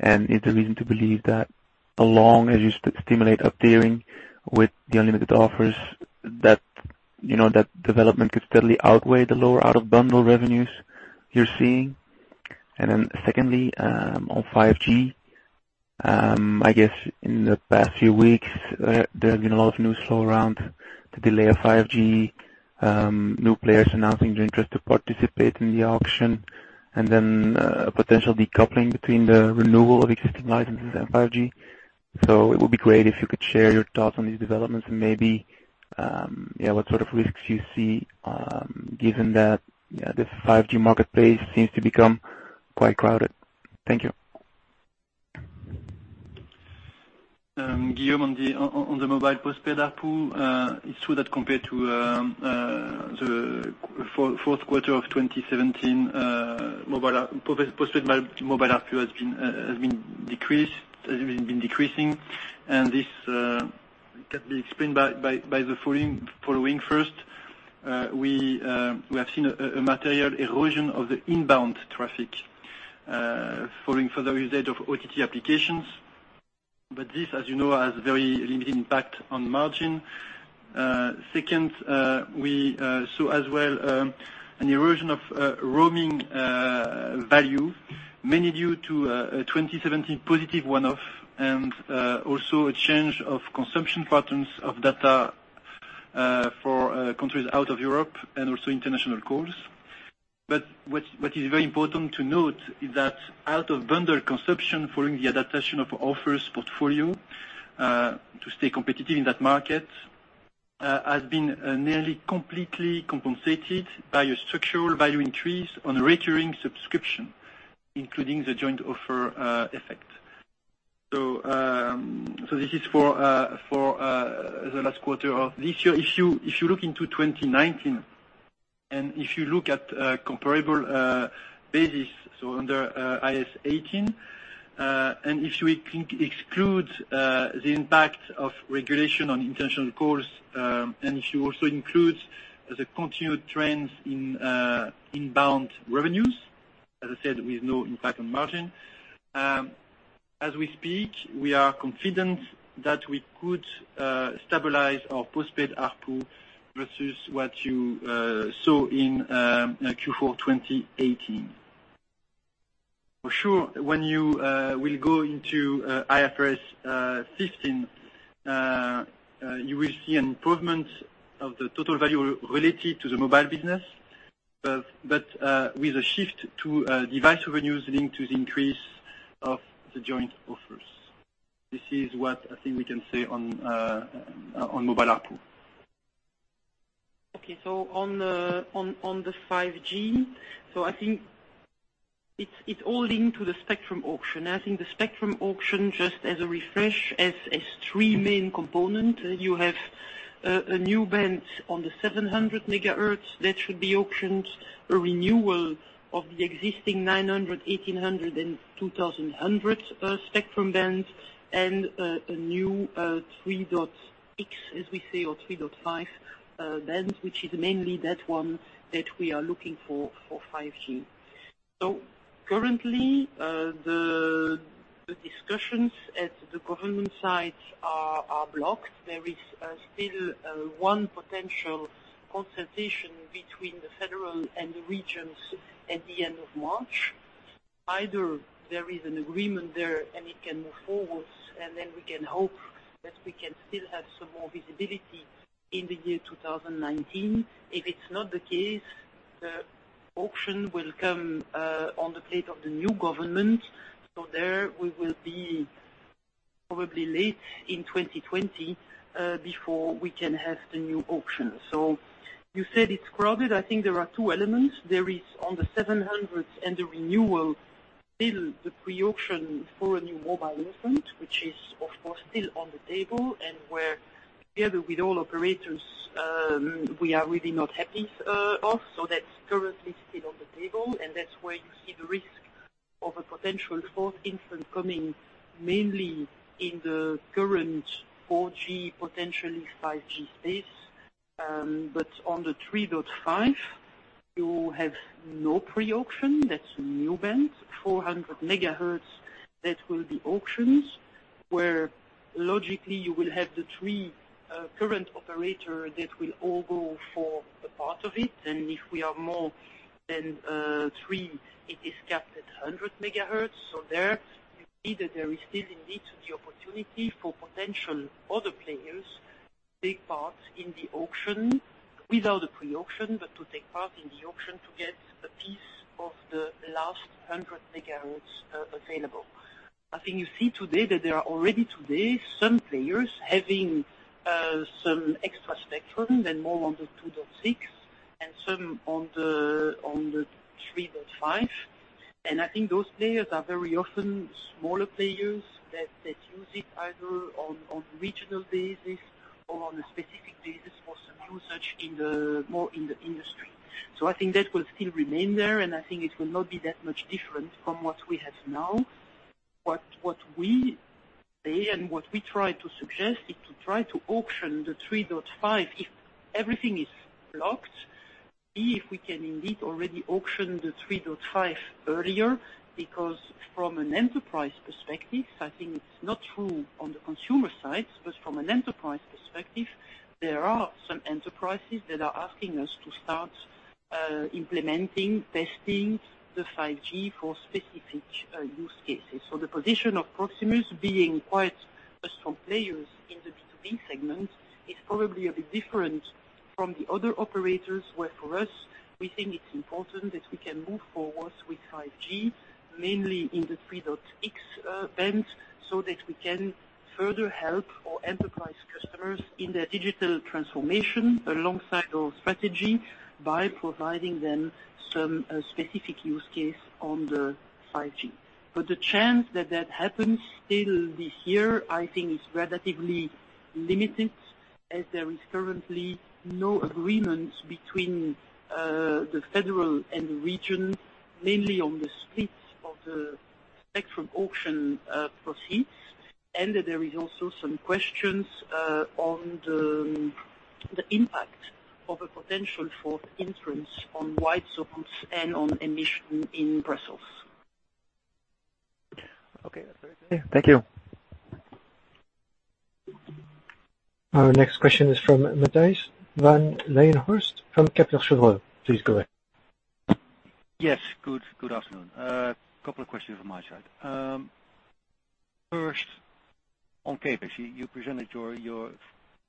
Is there reason to believe that along, as you stimulate up-tiering with the unlimited offers, that development could steadily outweigh the lower out-of-bundle revenues you are seeing? Secondly, on 5G, I guess in the past few weeks, there have been a lot of news flow around the delay of 5G, new players announcing their interest to participate in the auction, and then a potential decoupling between the renewal of existing licenses and 5G. It would be great if you could share your thoughts on these developments and maybe what sort of risks you see, given that the 5G marketplace seems to become quite crowded. Thank you. Guillaume on the mobile postpaid ARPU. It is true that compared to the fourth quarter of 2017, postpaid mobile ARPU has been decreasing, and this can be explained by the following. First, we have seen a material erosion of the inbound traffic following further usage of OTT applications. This, as you know, has very limited impact on margin. Second, we saw as well an erosion of roaming value, mainly due to a 2017 positive one-off and also a change of consumption patterns of data for countries out of Europe and also international calls. What is very important to note is that out-of-bundle consumption, following the adaptation of offers portfolio, to stay competitive in that market, has been nearly completely compensated by a structural value increase on recurring subscription, including the joint offer effect. This is for the last quarter of this year. If you look into 2019, if you look at comparable basis, so under IAS 18, if we exclude the impact of regulation on international calls, if you also include the continued trends in inbound revenues, as I said, with no impact on margin. As we speak, we are confident that we could stabilize our postpaid ARPU versus what you saw in Q4 2018. For sure, when you will go into IFRS 15, you will see an improvement of the total value related to the mobile business. With a shift to device revenues linked to the increase of the joint offers. This is what I think we can say on mobile ARPU. On the 5G. I think it's all linked to the spectrum auction. I think the spectrum auction, just as a refresh, has three main components. You have a new band on the 700 MHz that should be auctioned, a renewal of the existing 900, 1,800, and 2,100 MHz spectrum bands, and a new 3.x as we say, or 3.5 bands, which is mainly that one that we are looking for 5G. Currently, the discussions at the government side are blocked. There is still one potential consultation between the federal and the regions at the end of March. Either there is an agreement there and it can move forward, and then we can hope that we can still have some more visibility in the year 2019. If it's not the case, the auction will come on the plate of the new government. There we will be probably late in 2020, before we can have the new auction. You said it's crowded. I think there are two elements. There is on the 700 and the renewal still the pre-auction for a new mobile entrant, which is of course still on the table and where together with all operators, we are really not happy of. That's currently still on the table, and that's where you see the risk of a potential fourth entrant coming, mainly in the current 4G, potentially 5G space. On the 3.5, you have no pre-auction, that's a new band, 400 MHz that will be auctioned, where logically you will have the three current operators that will all go for a part of it. If we are more than three, it is capped at 100 MHz. There you see that there is still indeed the opportunity for potential other players, take part in the auction without a pre-auction, to take part in the auction to get a piece of the last 100 MHz available. I think you see today that there are already today some players having some extra spectrum, then more on the 2.6 and some on the 3.5. I think those players are very often smaller players that use it either on regional basis or on a specific basis for some usage more in the industry. I think that will still remain there, and I think it will not be that much different from what we have now. What we say and what we try to suggest is to try to auction the 3.5 if everything is blocked. If we can indeed already auction the 3.5 earlier, because from an enterprise perspective, I think it's not true on the consumer side, but from an enterprise perspective, there are some enterprises that are asking us to start implementing, testing the 5G for specific use cases. The position of Proximus being quite a strong player in the B2B segment is probably a bit different from the other operators, where for us, we think it's important that we can move forward with 5G, mainly in the 3.6 band, so that we can further help our enterprise customers in their digital transformation alongside our strategy by providing them some specific use case on the 5G. The chance that that happens still this year, I think is relatively limited as there is currently no agreement between the federal and the region, mainly on the split of the spectrum auction proceeds. There is also some questions on the impact of a potential fourth entrant on white circles and on emission in Brussels. Okay, that's very clear. Thank you. Our next question is from Matthijs van Leijenhorst from Kepler Cheuvreux. Please go ahead. Yes. Good afternoon. A couple of questions on my side. First, on CapEx, you presented your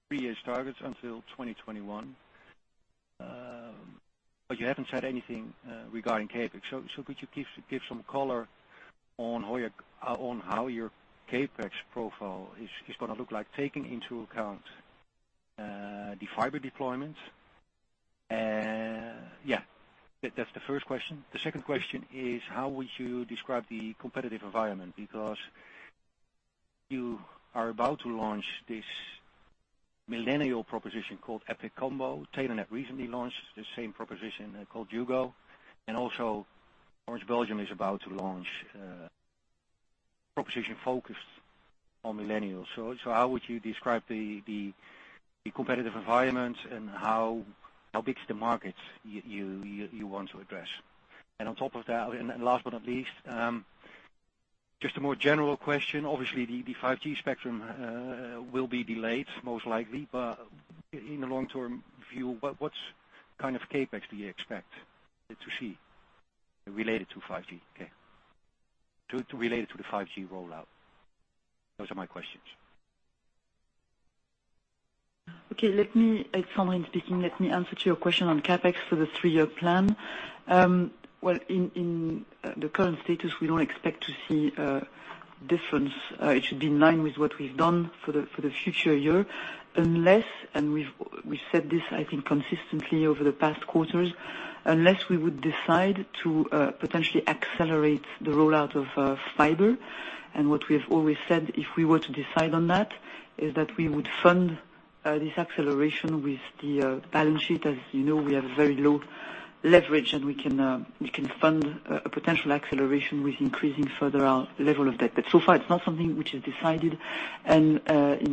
three-year targets until 2021. You haven't said anything regarding CapEx. Could you give some color on how your CapEx profile is going to look like, taking into account the fiber deployment? That's the first question. The second question is how would you describe the competitive environment? You are about to launch this millennial proposition called Epic Combo. Telenet recently launched the same proposition called YUGO, Orange Belgium is about to launch a proposition focused on millennials. How would you describe the competitive environment and how big is the market you want to address? On top of that, last but not least, just a more general question. The 5G spectrum will be delayed, most likely, in the long-term view, what kind of CapEx do you expect to see related to the 5G rollout? Those are my questions. Okay. It's Sandrine speaking. Let me answer to your question on CapEx for the three-year plan. In the current status, we don't expect to see a difference. It should be in line with what we've done for the future year. Unless we've said this, I think, consistently over the past quarters, unless we would decide to potentially accelerate the rollout of fiber. What we have always said, if we were to decide on that, is that we would fund this acceleration with the balance sheet. We have very low leverage, we can fund a potential acceleration with increasing further our level of debt. So far, it's not something which is decided. In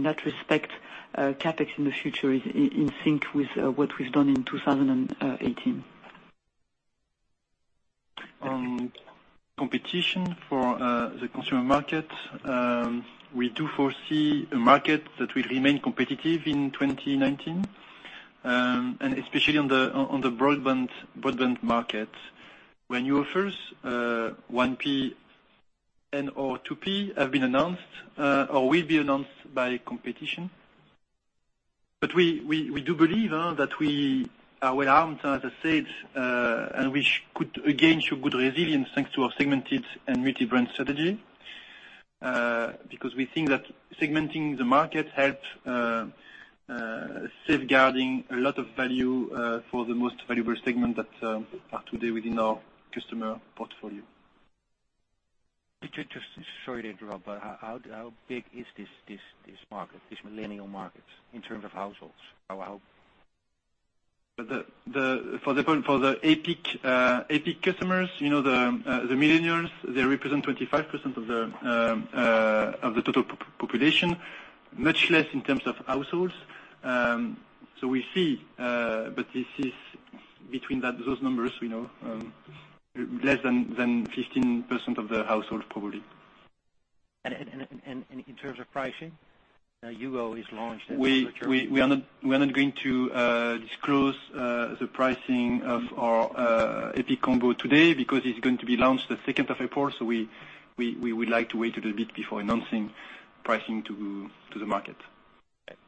that respect, CapEx in the future is in sync with what we've done in 2018. On competition for the consumer market, we do foresee a market that will remain competitive in 2019. Especially on the broadband market. When you 1P or 2P have been announced or will be announced by competition. We do believe that we are well-armed, as I said, we could again show good resilience thanks to our segmented and multi-brand strategy. We think that segmenting the market helps safeguarding a lot of value for the most valuable segment that are today within our customer portfolio. Sorry to interrupt, how big is this market, this millennial market, in terms of households? For the Epic customers, the millennials, they represent 25% of the total population, much less in terms of households. We see, this is between those numbers, less than 15% of the household probably. In terms of pricing, YUGO is launched. We are not going to disclose the pricing of our Epic combo today because it's going to be launched the 2nd of April. We would like to wait a little bit before announcing pricing to the market. Okay.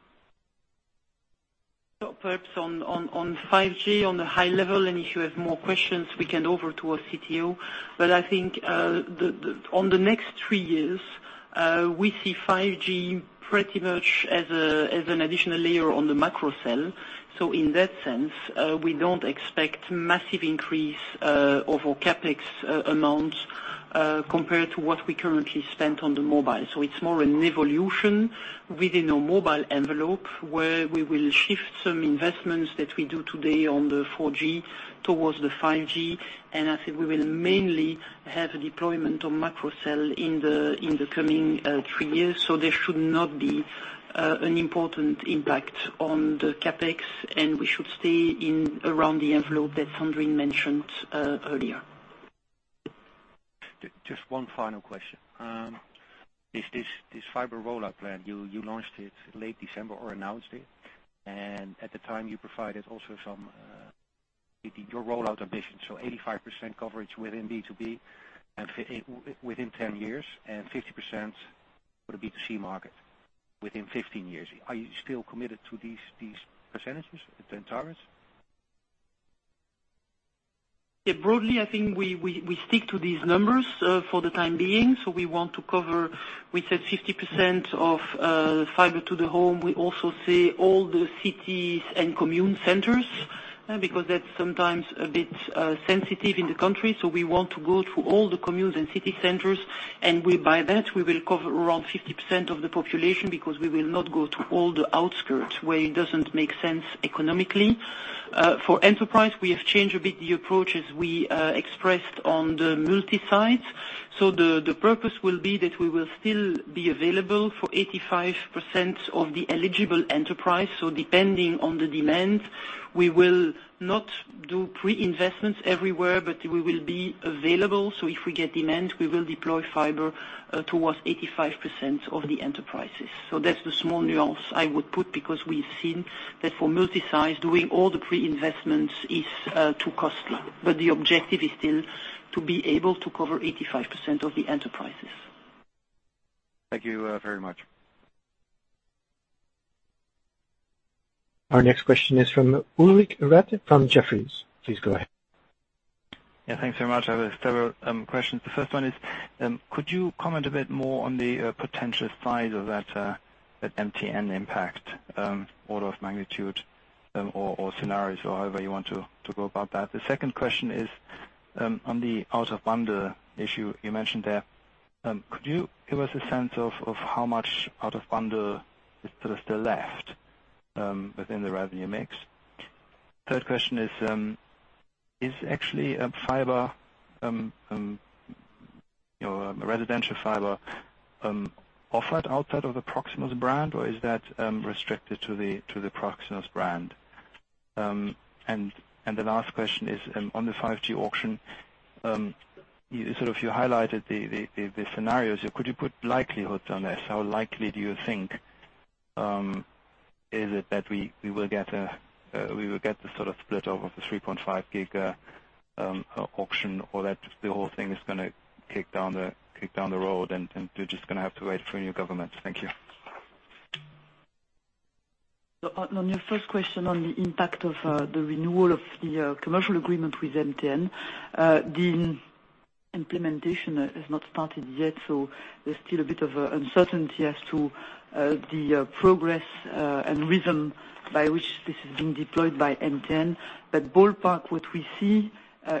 Perhaps on 5G on the high level, if you have more questions we can over to our CTO. I think on the next three years, we see 5G pretty much as an additional layer on the microcell. In that sense, we don't expect massive increase of our CapEx amount compared to what we currently spent on the mobile. It's more an evolution within our mobile envelope, where we will shift some investments that we do today on the 4G towards the 5G. I said we will mainly have a deployment on microcell in the coming three years. There should not be an important impact on the CapEx, and we should stay around the envelope that Sandrine mentioned earlier. Just one final question. This fiber rollout plan, you launched it late December or announced it. At the time, you provided also your rollout ambition. 85% coverage within B2B within 10 years and 50% for the B2C market within 15 years. Are you still committed to these percentages and targets? Broadly, I think we stick to these numbers for the time being. We want to cover, we said 50% of fiber to the home. We also say all the cities and commune centers, because that's sometimes a bit sensitive in the country. We want to go through all the communes and city centers, and by that we will cover around 50% of the population because we will not go to all the outskirts where it doesn't make sense economically. For enterprise, we have changed a bit the approach as we expressed on the multi-sites. The purpose will be that we will still be available for 85% of the eligible enterprise. Depending on the demand, we will not do pre-investments everywhere, but we will be available. If we get demand, we will deploy fiber towards 85% of the enterprises. That's the small nuance I would put because we've seen that for multi-site, doing all the pre-investments is too costly. The objective is still to be able to cover 85% of the enterprises. Thank you very much. Our next question is from Ulrich Rathe from Jefferies. Please go ahead. Yeah, thanks very much. I have several questions. The first one is, could you comment a bit more on the potential size of that MTN impact, order of magnitude or scenarios or however you want to go about that? The second question is on the out of bundle issue you mentioned there. Could you give us a sense of how much out of bundle is still left within the revenue mix? Third question is actually residential fiber offered outside of the Proximus brand, or is that restricted to the Proximus brand? The last question is on the 5G auction. You highlighted the scenarios. Could you put likelihoods on this? How likely do you think is it that we will get the split of the 3.5 gig auction or that the whole thing is going to kick down the road and you're just going to have to wait for a new government? Thank you. On your first question on the impact of the renewal of the commercial agreement with MTN, the implementation has not started yet. There's still a bit of uncertainty as to the progress and rhythm by which this is being deployed by MTN. Ballpark, what we see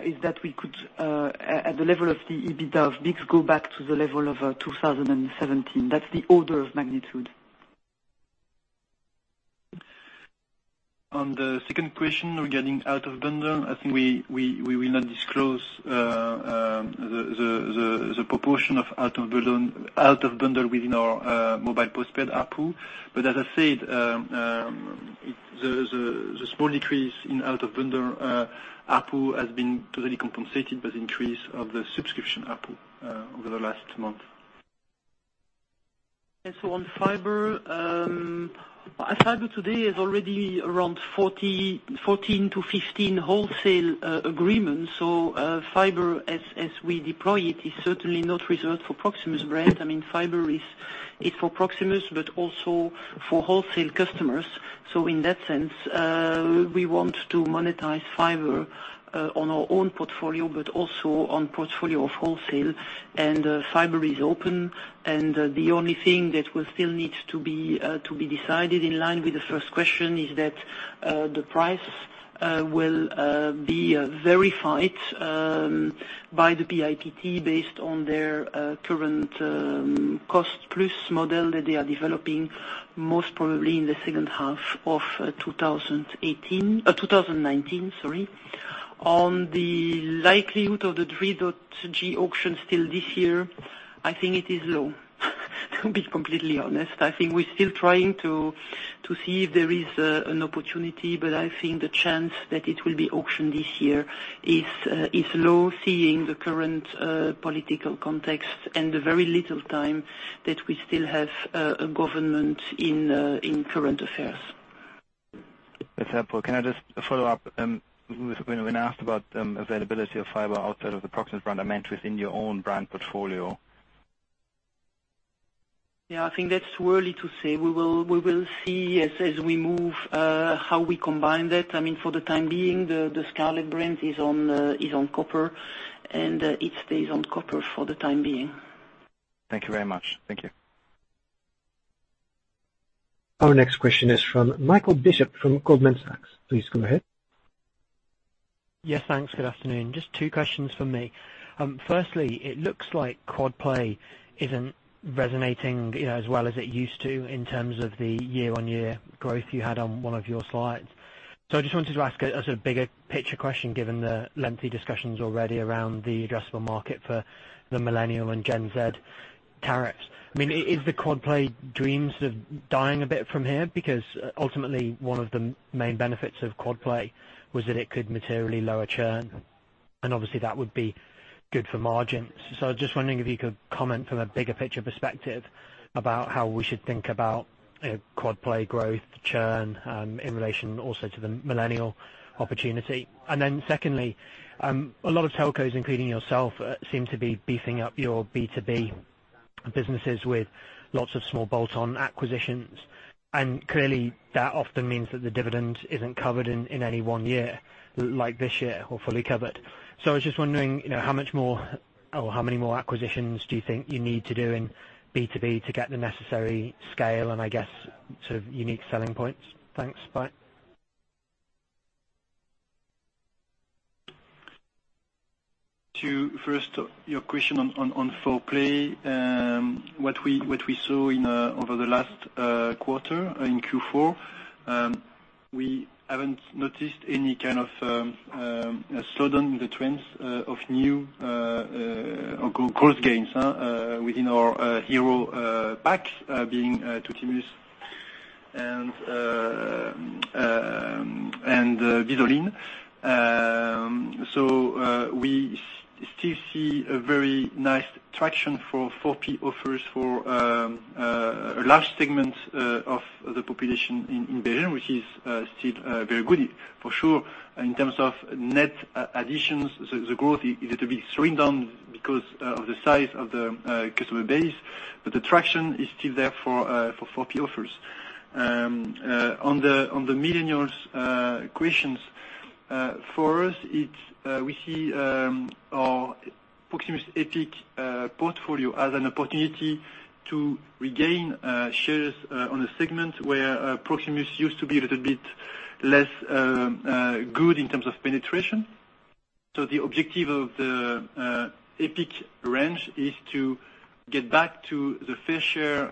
is that we could, at the level of the EBITDA of BICS, go back to the level of 2017. That's the order of magnitude. On the second question regarding out of bundle, I think we will not disclose the proportion of out of bundle within our mobile postpaid ARPU. As I said, the small decrease in out of bundle ARPU has been totally compensated by the increase of the subscription ARPU over the last month. On fiber. Fiber today is already around 14-15 wholesale agreements. Fiber, as we deploy it, is certainly not reserved for Proximus brand. Fiber is for Proximus, but also for wholesale customers. In that sense, we want to monetize fiber on our own portfolio, but also on portfolio of wholesale. Fiber is open, and the only thing that will still need to be decided in line with the first question is that the price will be verified by the BIPT based on their current cost plus model that they are developing, most probably in the second half of 2018, 2019, sorry. On the likelihood of the 5G auction still this year, I think it is low to be completely honest. I think we're still trying to see if there is an opportunity, but I think the chance that it will be auctioned this year is low, seeing the current political context and the very little time that we still have a government in current affairs. That's helpful. Can I just follow up? When asked about availability of fiber outside of the Proximus brand, I meant within your own brand portfolio. Yeah, I think that's too early to say. We will see as we move, how we combine that. For the time being, the Scarlet brand is on copper, and it stays on copper for the time being. Thank you very much. Thank you. Our next question is from Michael Bishop from Goldman Sachs. Please go ahead. Yes, thanks. Good afternoon. Just two questions from me. Firstly, it looks like quad play isn't resonating as well as it used to in terms of the year-on-year growth you had on one of your slides. I just wanted to ask as a bigger picture question, given the lengthy discussions already around the addressable market for the Millennial and Gen Z tariffs. Is the quad play dreams dying a bit from here? Ultimately one of the main benefits of quad play was that it could materially lower churn, and obviously that would be good for margins. I was just wondering if you could comment from a bigger picture perspective about how we should think about quad play growth, churn, in relation also to the Millennial opportunity. Secondly, a lot of telcos, including yourself, seem to be beefing up your B2B businesses with lots of small bolt-on acquisitions, and clearly that often means that the dividend isn't covered in any one year, like this year, or fully covered. I was just wondering, how much more or how many more acquisitions do you think you need to do in B2B to get the necessary scale and I guess, sort of unique selling points? Thanks. Bye. To first, your question on 4P. What we saw over the last quarter, in Q4, we haven't noticed any kind of slowdown in the trends of new gross gains within our hero pack, being Tuttimus and Bizz Online. We still see a very nice traction for 4P offers for a large segment of the population in Belgium, which is still very good. For sure, in terms of net additions, the growth is a little bit slowing down because of the size of the customer base, but the traction is still there for 4P offers. On the Millennials questions. For us, we see our Proximus Epic portfolio as an opportunity to regain shares on a segment where Proximus used to be a little bit less good in terms of penetration. The objective of the Epic range is to get back to the fair share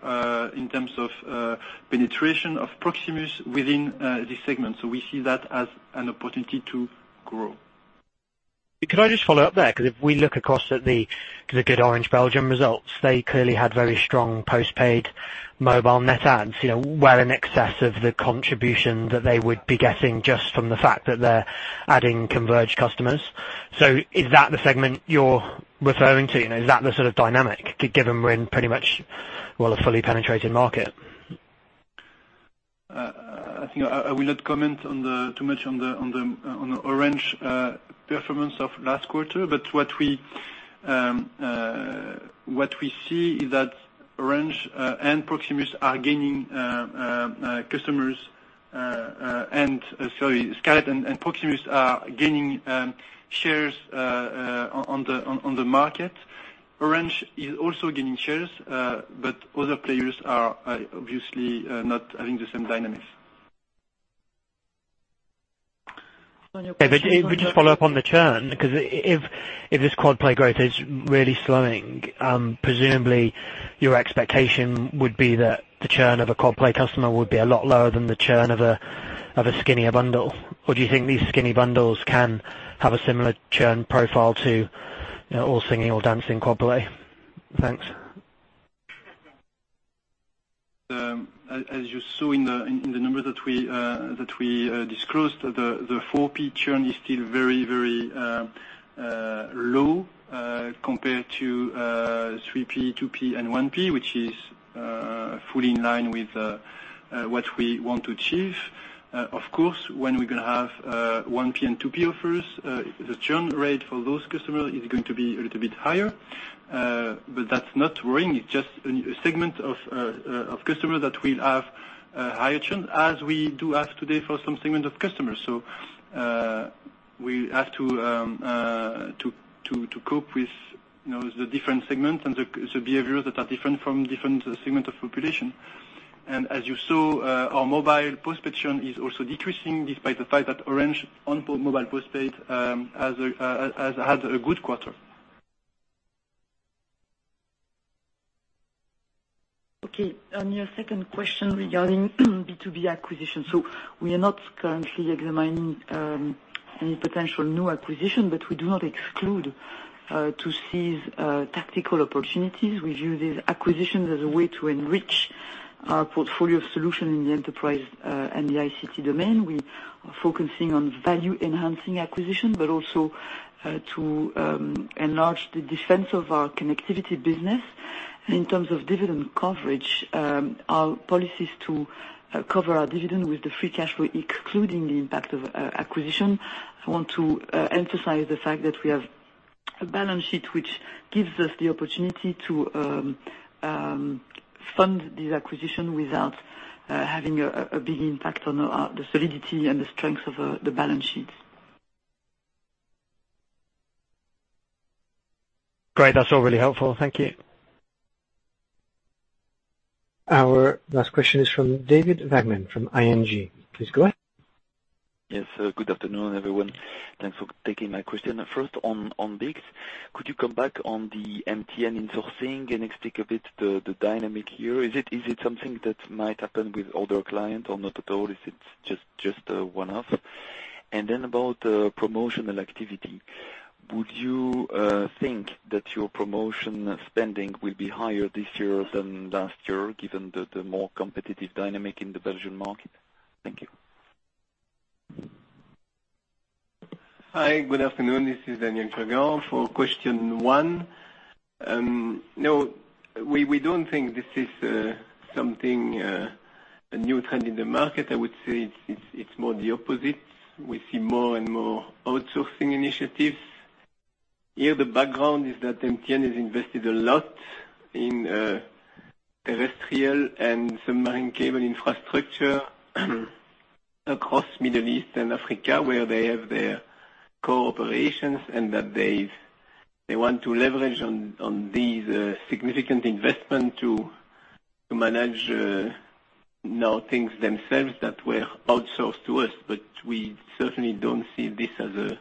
in terms of penetration of Proximus within this segment. We see that as an opportunity to grow. Could I just follow up there? Because if we look across at the good Orange Belgium results, they clearly had very strong post-paid mobile net adds, well in excess of the contribution that they would be getting just from the fact that they're adding converged customers. Is that the segment you're referring to? Is that the sort of dynamic, given we're in pretty much a fully penetrated market? I will not comment too much on the Orange performance of last quarter. What we see is that Orange and Proximus are gaining customers and, sorry, Scarlet and Proximus are gaining shares on the market. Orange is also gaining shares, but other players are obviously not having the same dynamics. Okay. If we just follow up on the churn, because if this quad play growth is really slowing, presumably your expectation would be that the churn of a quad play customer would be a lot lower than the churn of a skinnier bundle. Do you think these skinny bundles can have a similar churn profile to all singing, all dancing quad play? Thanks. As you saw in the number that we disclosed, the 4P churn is still very low compared to 3P, 2P, and 1P, which is fully in line with what we want to achieve. Of course, when we're going to have 1P and 2P offers, the churn rate for those customers is going to be a little bit higher. That's not worrying. It's just a segment of customers that will have a higher churn, as we do have today for some segment of customers. We have to cope with the different segments and the behaviors that are different from different segments of population. As you saw, our mobile postpaid churn is also decreasing, despite the fact that Orange on mobile postpaid had a good quarter. Okay, on your second question regarding B2B acquisition. We are not currently examining any potential new acquisition, but we do not exclude to seize tactical opportunities. We view this acquisition as a way to enrich our portfolio solution in the enterprise and the ICT domain. We are focusing on value-enhancing acquisition, but also to enlarge the defense of our connectivity business. In terms of dividend coverage, our policy is to cover our dividend with the free cash flow, excluding the impact of acquisition. I want to emphasize the fact that we have a balance sheet which gives us the opportunity to fund this acquisition without having a big impact on the solidity and the strength of the balance sheet. Great. That's all really helpful. Thank you. Our last question is from David Vagman from ING. Please go ahead. Yes. Good afternoon, everyone. Thanks for taking my question. First, on BICS, could you come back on the MTN insourcing and explain a bit the dynamic here? Is it something that might happen with other clients or not at all? Is it just a one-off? Then about promotional activity, would you think that your promotion spending will be higher this year than last year, given the more competitive dynamic in the Belgian market? Thank you. Hi. Good afternoon. This is Daniel Kurgan. For question one, no, we don't think this is something, a new trend in the market. I would say it's more the opposite. We see more and more outsourcing initiatives. Here, the background is that MTN has invested a lot in terrestrial and submarine cable infrastructure across Middle East and Africa, where they have their corporations, and that they want to leverage on these significant investment to manage now things themselves that were outsourced to us. We certainly don't see this as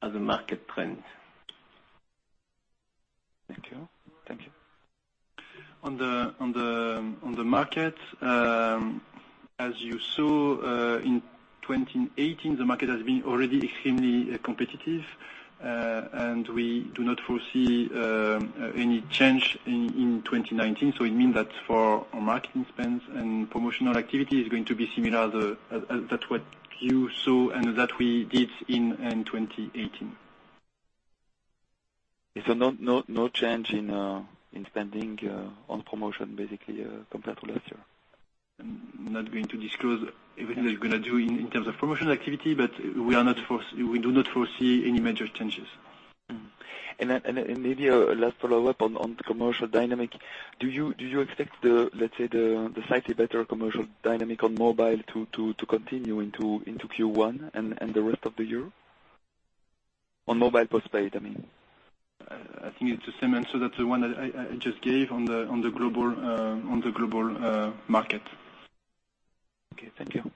a market trend. Thank you. On the market, as you saw in 2018, the market has been already extremely competitive. We do not foresee any change in 2019. It means that for our marketing spends and promotional activity is going to be similar that what you saw and that we did in 2018. No change in spending on promotion, basically, compared to last year? I'm not going to disclose everything we're going to do in terms of promotional activity. We do not foresee any major changes. Maybe a last follow-up on commercial dynamic. Do you expect the, let's say, the slightly better commercial dynamic on mobile to continue into Q1 and the rest of the year? On mobile postpaid, I mean. I think it's the same answer that I just gave on the global market. Okay. Thank you.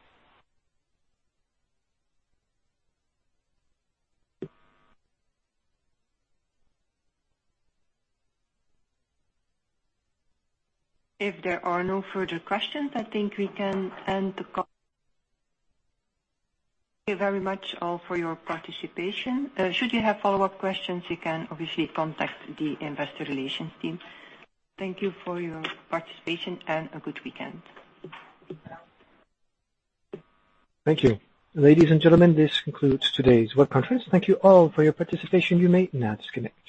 If there are no further questions, I think we can end the call. Thank you very much all for your participation. Should you have follow-up questions, you can obviously contact the investor relations team. Thank you for your participation, and a good weekend. Thank you. Ladies and gentlemen, this concludes today's web conference. Thank you all for your participation. You may now disconnect.